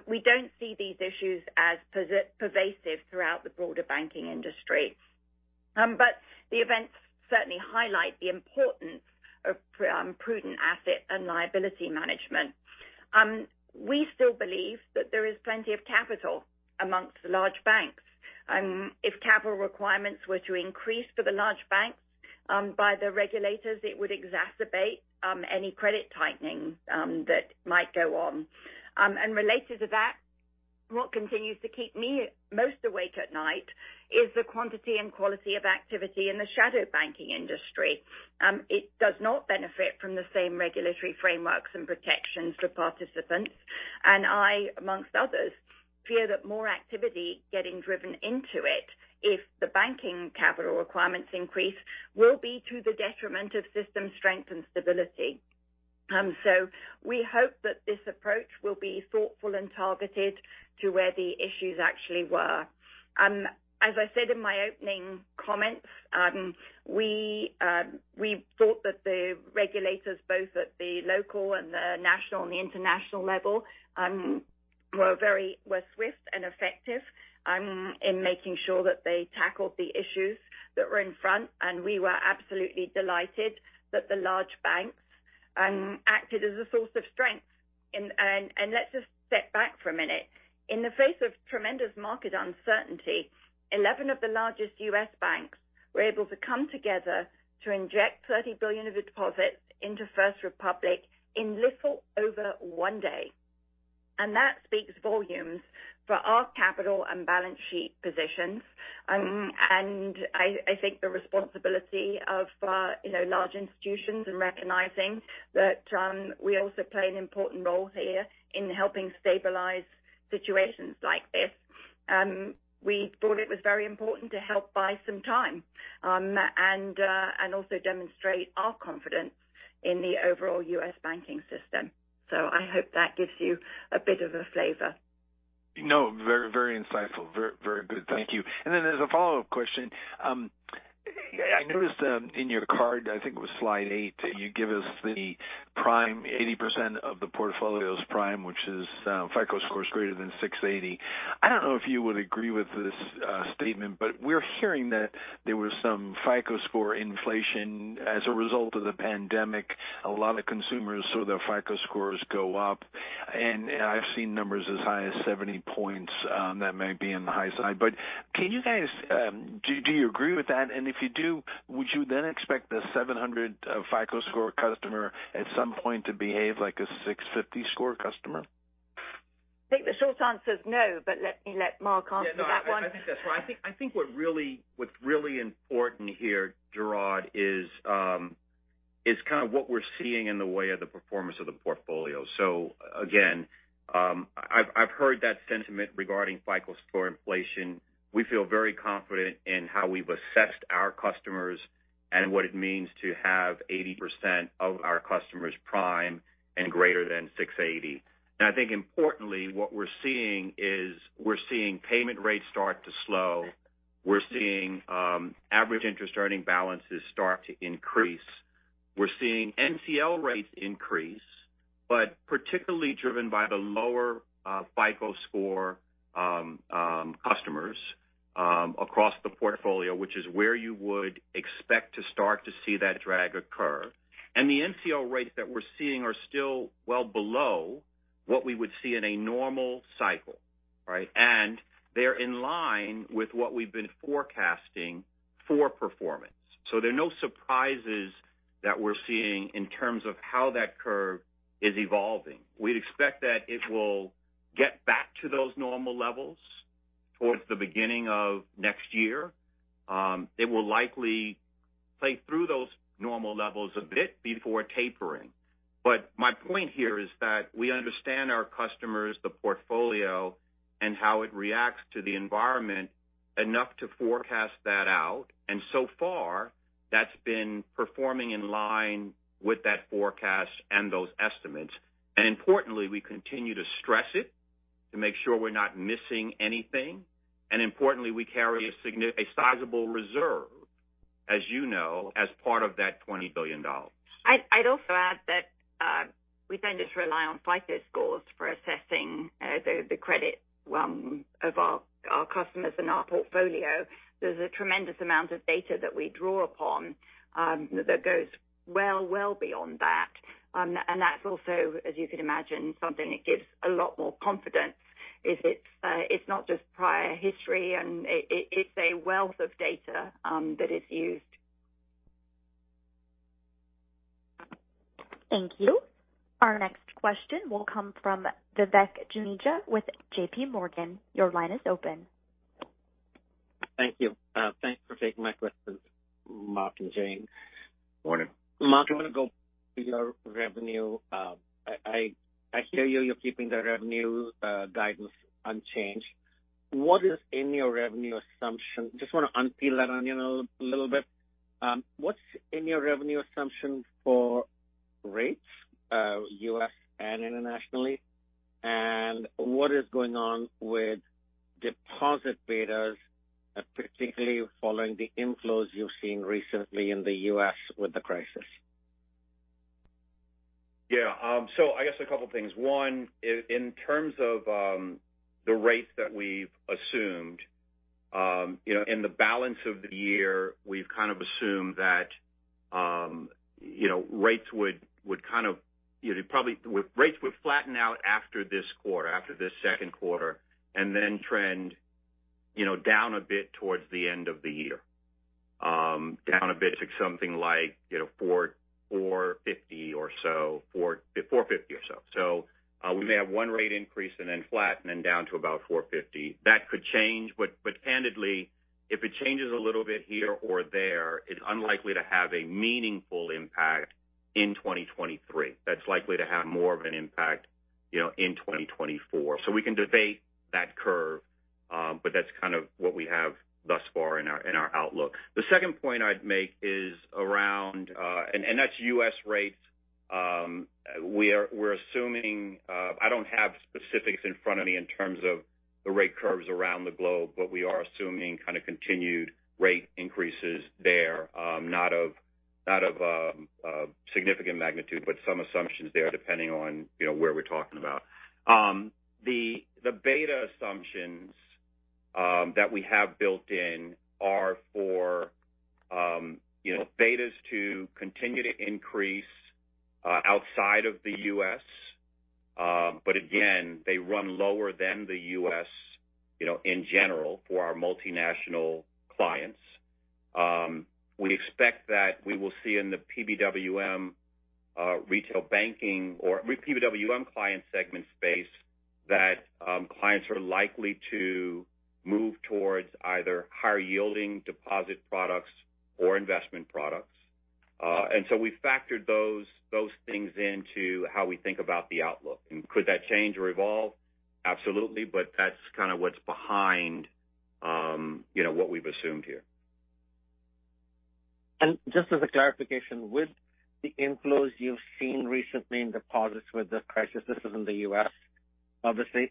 [SPEAKER 3] We don't see these issues as pervasive throughout the broader banking industry. The events certainly highlight the importance of prudent Asset and Liability Management. We still believe that there is plenty of capital amongst the large banks. If capital requirements were to increase for the large banks, by the regulators, it would exacerbate any credit tightening that might go on. Related to that, what continues to keep me most awake at night is the quantity and quality of activity in the shadow banking industry. It does not benefit from the same regulatory frameworks and protections for participants. I, amongst others, fear that more activity getting driven into it if the banking capital requirements increase will be to the detriment of system strength and stability. We hope that this approach will be thoughtful and targeted to where the issues actually were. As I said in my opening comments, we thought that the regulators, both at the local and the national and the international level, were very swift and effective in making sure that they tackled the issues that were in front. We were absolutely delighted that the large banks acted as a source of strength. Let's just step back for a minute. In the face of tremendous market uncertainty, 11 of the largest U.S. banks were able to come together to inject $30 billion of deposits into First Republic in little over one day. That speaks volumes for our capital and balance sheet positions. I think the responsibility of, you know, large institutions in recognizing that we also play an important role here in helping stabilize situations like this. We thought it was very important to help buy some time, and also demonstrate our confidence in the overall U.S. banking system. I hope that gives you a bit of a flavor.
[SPEAKER 13] No, very, very insightful. Very, very good. Thank you. Then as a follow-up question, Yeah, I noticed that in your Card, I think it was slide eight, you give us the prime 80% of the portfolio's prime, which is, FICO score is greater than 680. I don't know if you would agree with this statement, but we're hearing that there was some FICO score inflation as a result of the pandemic. A lot of consumers saw their FICO scores go up. I've seen numbers as high as 70 points, that may be on the high side. Can you guys, do you agree with that? If you do, would you then expect the 700 FICO score customer at some point to behave like a 650 score customer?
[SPEAKER 3] I think the short answer is no, but let me let Mark answer that one.
[SPEAKER 4] Yeah. No, I think that's right. I think, what's really important here, Gerard, is kind of what we're seeing in the way of the performance of the portfolio. Again, I've heard that sentiment regarding FICO score inflation. We feel very confident in how we've assessed our customers and what it means to have 80% of our customers prime and greater than 680. I think importantly, what we're seeing is we're seeing payment rates start to slow. We're seeing average interest earning balances start to increase. We're seeing NCL rates increase, but particularly driven by the lower FICO score customers across the portfolio, which is where you would expect to start to see that drag occur. The NCL rates that we're seeing are still well below what we would see in a normal cycle, right? They're in line with what we've been forecasting for performance. There are no surprises that we're seeing in terms of how that curve is evolving. We'd expect that it will get back to those normal levels towards the beginning of next year. It will likely play through those normal levels a bit before tapering. My point here is that we understand our customers, the portfolio, and how it reacts to the environment enough to forecast that out. So far, that's been performing in line with that forecast and those estimates. Importantly, we continue to stress it to make sure we're not missing anything. Importantly, we carry a sizable reserve, as you know, as part of that $20 billion.
[SPEAKER 3] I'd also add that we don't just rely on FICO scores for assessing the credit of our customers and our portfolio. There's a tremendous amount of data that we draw upon that goes well, well beyond that. That's also, as you can imagine, something that gives a lot more confidence is it's not just prior history, and it's a wealth of data that is used.
[SPEAKER 1] Thank you. Our next question will come from Vivek Juneja with JPMorgan. Your line is open.
[SPEAKER 14] Thank you. Thanks for taking my questions, Mark and Jane.
[SPEAKER 4] Morning.
[SPEAKER 14] Mark, I'm going to go to your revenue. I hear you're keeping the revenue guidance unchanged. What is in your revenue assumption? Just want to unpeel that onion a little bit. What's in your revenue assumption for rates, U.S. and internationally? What is going on with deposit betas, particularly following the inflows you've seen recently in the U.S. with the crisis?
[SPEAKER 4] I guess a couple of things. One, in terms of the rates that we've assumed, in the balance of the year, we've kind of assumed that rates would flatten out after this quarter, after this second quarter, and then trend down a bit towards the end of the year. Down a bit to something like 4%-4.50% or so. 4%-4.50% or so. We may have one rate increase and then flatten and down to about 4.50%. That could change. Candidly, if it changes a little bit here or there, it's unlikely to have a meaningful impact in 2023. That's likely to have more of an impact in 2024. We can debate that curve. That's kind of what we have thus far in our, in our outlook. The second point I'd make is around U.S. rates. We're assuming I don't have specifics in front of me in terms of the rate curves around the globe, but we are assuming kind of continued rate increases there, not of significant magnitude, but some assumptions there, depending on, you know, where we're talking about. The beta assumptions that we have built in are for, you know, betas to continue to increase outside of the U.S. Again, they run lower than the U.S., you know, in general for our multinational clients. We expect that we will see in the PBWM, retail banking or PBWM client segment space that clients are likely to move towards either higher yielding deposit products or investment products. We factored those things into how we think about the outlook. Could that change or evolve? Absolutely. That's kind of what's behind, you know, what we've assumed here.
[SPEAKER 14] Just as a clarification, with the inflows you've seen recently in deposits with the crisis, this is in the U.S.?
[SPEAKER 15] Obviously.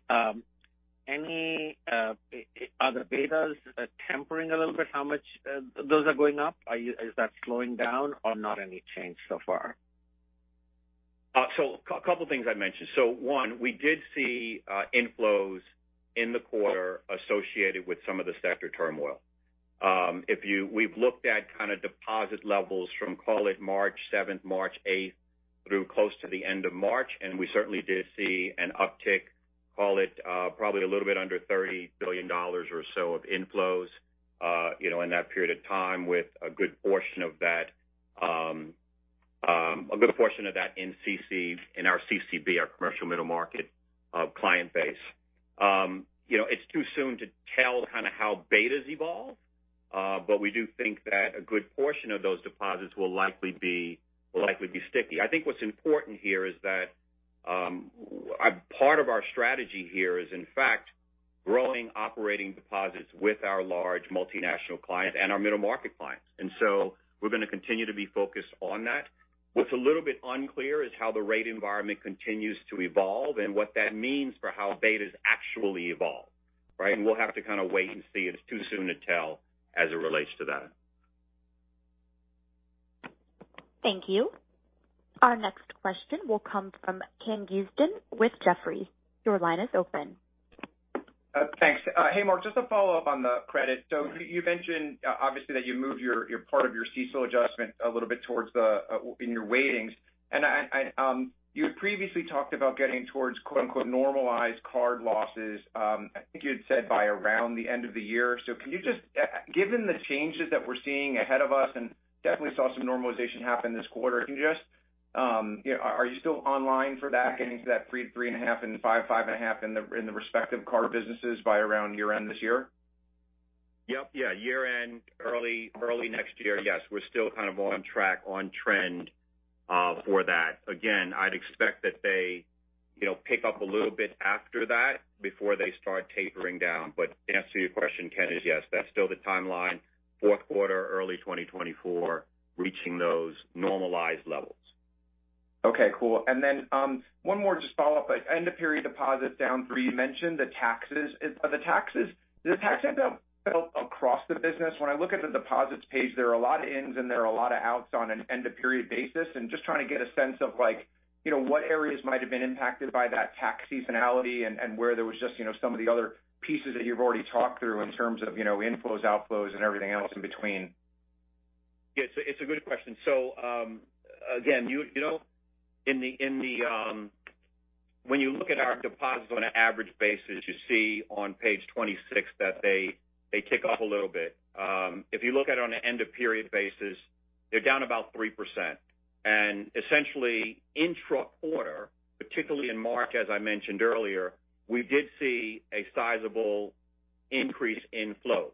[SPEAKER 15] Any, are the betas tempering a little bit how much those are going up? Is that slowing down or not any change so far?
[SPEAKER 4] A couple of things I mentioned. One, we did see inflows in the quarter associated with some of the sector turmoil. If we've looked at kind of deposit levels from call it March 7th, March 8th through close to the end of March, we certainly did see an uptick, call it, probably a little bit under $30 billion or so of inflows, you know, in that period of time, with a good portion of that, a good portion of that in our CCB, our commercial middle market client base. You know, it's too soon to tell kind of how betas evolve, we do think that a good portion of those deposits will likely be sticky. I think what's important here is that, part of our strategy here is in fact growing operating deposits with our large multinational client and our middle market clients. We're going to continue to be focused on that. What's a little bit unclear is how the rate environment continues to evolve and what that means for how betas actually evolve, right? We'll have to kind of wait and see. It's too soon to tell as it relates to that.
[SPEAKER 1] Thank you. Our next question will come from Ken Usdin with Jefferies. Your line is open.
[SPEAKER 16] Thanks. Hey, Mark. Just a follow-up on the credit. You mentioned obviously that you moved your part of your CECL adjustment a little bit towards the in your weightings. You had previously talked about getting towards quote-unquote normalized card losses, I think you had said by around the end of the year. Can you just, given the changes that we're seeing ahead of us and definitely saw some normalization happen this quarter, can you just, are you still online for that getting to that 3.5 and 5.5 in the respective card businesses by around year-end this year?
[SPEAKER 4] Yep. Yeah. Year-end, early next year. Yes, we're still kind of on track on trend for that. Again, I'd expect that they, you know, pick up a little bit after that before they start tapering down. The answer to your question, Ken, is yes, that's still the timeline. Fourth quarter, early 2024, reaching those normalized levels.
[SPEAKER 16] Okay, cool. One more just follow-up. End of period deposits down 3. You mentioned the taxes. Do the tax end up across the business? When I look at the deposits page, there are a lot of ins and there are a lot of outs on an end of period basis. Just trying to get a sense of like, you know, what areas might have been impacted by that tax seasonality and where there was just, you know, some of the other pieces that you've already talked through in terms of, you know, inflows, outflows and everything else in between.
[SPEAKER 4] Yeah. It's a, it's a good question. Again, you know, in the, when you look at our deposits on an average basis, you see on page 26 that they tick up a little bit. If you look at it on an end of period basis, they're down about 3%. Essentially intra-quarter, particularly in March, as I mentioned earlier, we did see a sizable increase in flows.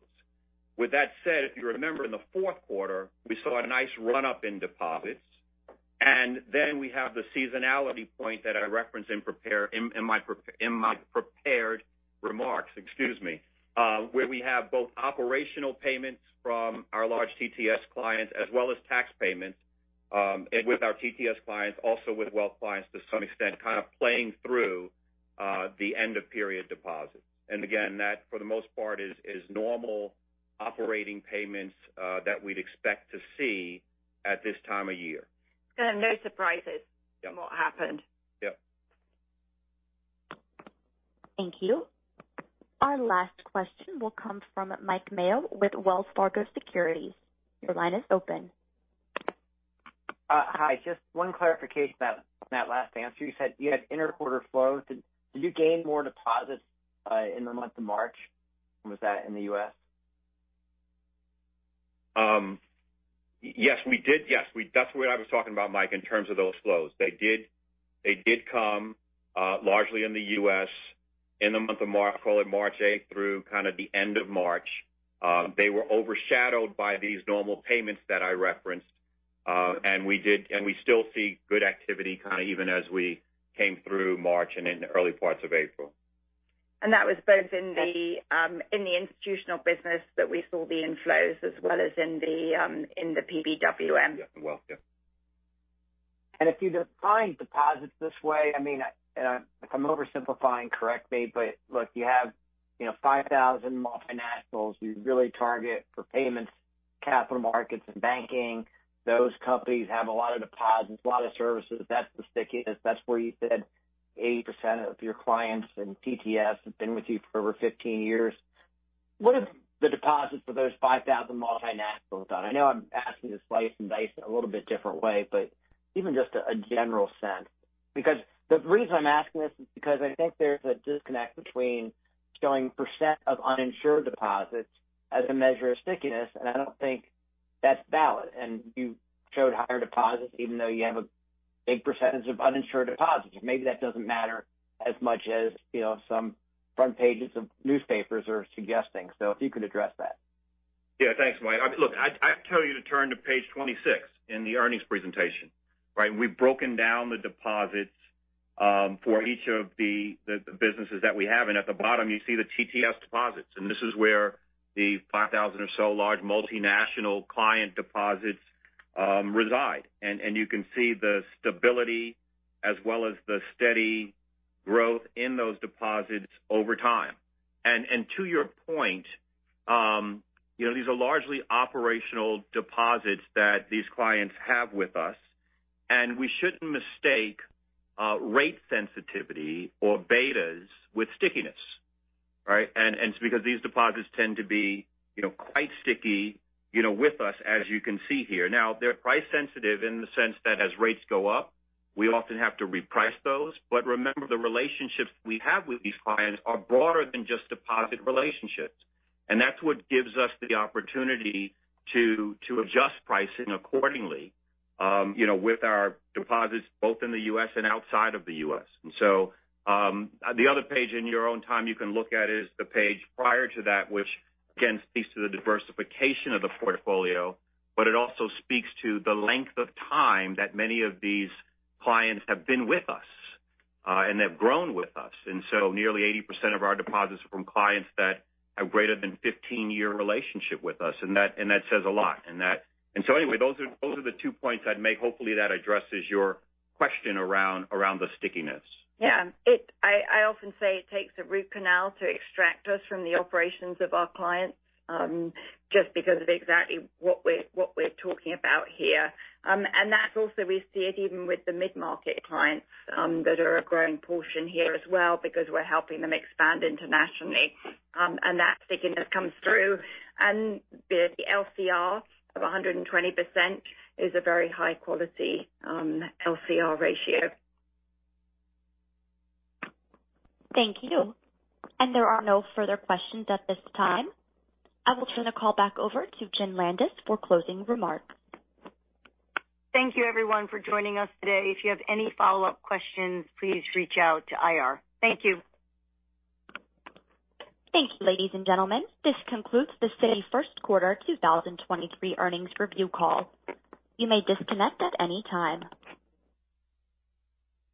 [SPEAKER 4] With that said, if you remember in the fourth quarter, we saw a nice run-up in deposits. We have the seasonality point that I referenced in my prepared remarks, excuse me. Where we have both operational payments from our large TTS clients as well as tax payments, with our TTS clients, also with Wealth clients to some extent kind of playing through, the end of period deposits. Again, that for the most part is normal operating payments, that we'd expect to see at this time of year.
[SPEAKER 3] No surprises.
[SPEAKER 4] Yeah.
[SPEAKER 3] in what happened.
[SPEAKER 4] Yeah.
[SPEAKER 1] Thank you. Our last question will come from Mike Mayo with Wells Fargo Securities. Your line is open.
[SPEAKER 6] Hi. Just one clarification on that last answer. You said you had inter-quarter flows. Did you gain more deposits in the month of March? Was that in the U.S.?
[SPEAKER 4] Yes, we did. Yes, that's what I was talking about, Mike, in terms of those flows. They did come, largely in the U.S. in the month of March—call it March eighth through kind of the end of March. They were overshadowed by these normal payments that I referenced. We still see good activity kind of even as we came through March and in the early parts of April.
[SPEAKER 3] That was both in the, in the institutional business that we saw the inflows as well as in the, in the PBWM.
[SPEAKER 4] Yeah. Well, yeah.
[SPEAKER 6] If you define deposits this way, I mean, if I'm oversimplifying, correct me, but look, you have, you know, 5,000 multinationals you really target for payments, capital markets and banking. Those companies have a lot of deposits, a lot of services. That's the stickiness. That's where you said 80% of your clients in TTS have been with you for over 15 years. What have the deposits for those 5,000 multinationals done? I know I'm asking to slice and dice in a little bit different way, but even just a general sense. Because the reason I'm asking this is because I think there's a disconnect between showing percent of uninsured deposits as a measure of stickiness, and I don't think that's valid. You showed higher deposits even though you have a big percentage of uninsured deposits. Maybe that doesn't matter as much as, you know, some front pages of newspapers are suggesting. If you could address that.
[SPEAKER 4] Yeah. Thanks, Mike. Look, I'd tell you to turn to page 26 in the earnings presentation, right? We've broken down the deposits for each of the businesses that we have. At the bottom you see the TTS deposits. This is where the 5,000 or so large multinational client deposits reside. You can see the stability as well as the steady growth in those deposits over time. To your point, you know, these are largely operational deposits that these clients have with us, and we shouldn't mistake rate sensitivity or betas with stickiness, right? Because these deposits tend to be, you know, quite sticky, you know, with us as you can see here. Now they're price sensitive in the sense that as rates go up, we often have to reprice those. Remember, the relationships we have with these clients are broader than just deposit relationships. That's what gives us the opportunity to adjust pricing accordingly, you know, with our deposits both in the U.S. and outside of the U.S. The other page in your own time you can look at is the page prior to that, which again speaks to the diversification of the portfolio, but it also speaks to the length of time that many of these clients have been with us and have grown with us. Nearly 80% of our deposits are from clients that have greater than 15-year relationship with us. That says a lot. Anyway, those are the two points I'd make. Hopefully, that addresses your question around the stickiness.
[SPEAKER 3] Yeah. I often say it takes a root canal to extract us from the operations of our clients, just because of exactly what we're talking about here. That also we see it even with the mid-market clients, that are a growing portion here as well because we're helping them expand internationally. That stickiness comes through. The LCR of 120% is a very high quality LCR ratio.
[SPEAKER 1] Thank you. There are no further questions at this time. I will turn the call back over to Jenn Landis for closing remarks.
[SPEAKER 2] Thank you everyone for joining us today. If you have any follow-up questions, please reach out to IR. Thank you.
[SPEAKER 1] Thank you, ladies and gentlemen. This concludes the Citi first quarter 2023 earnings review call. You may disconnect at any time.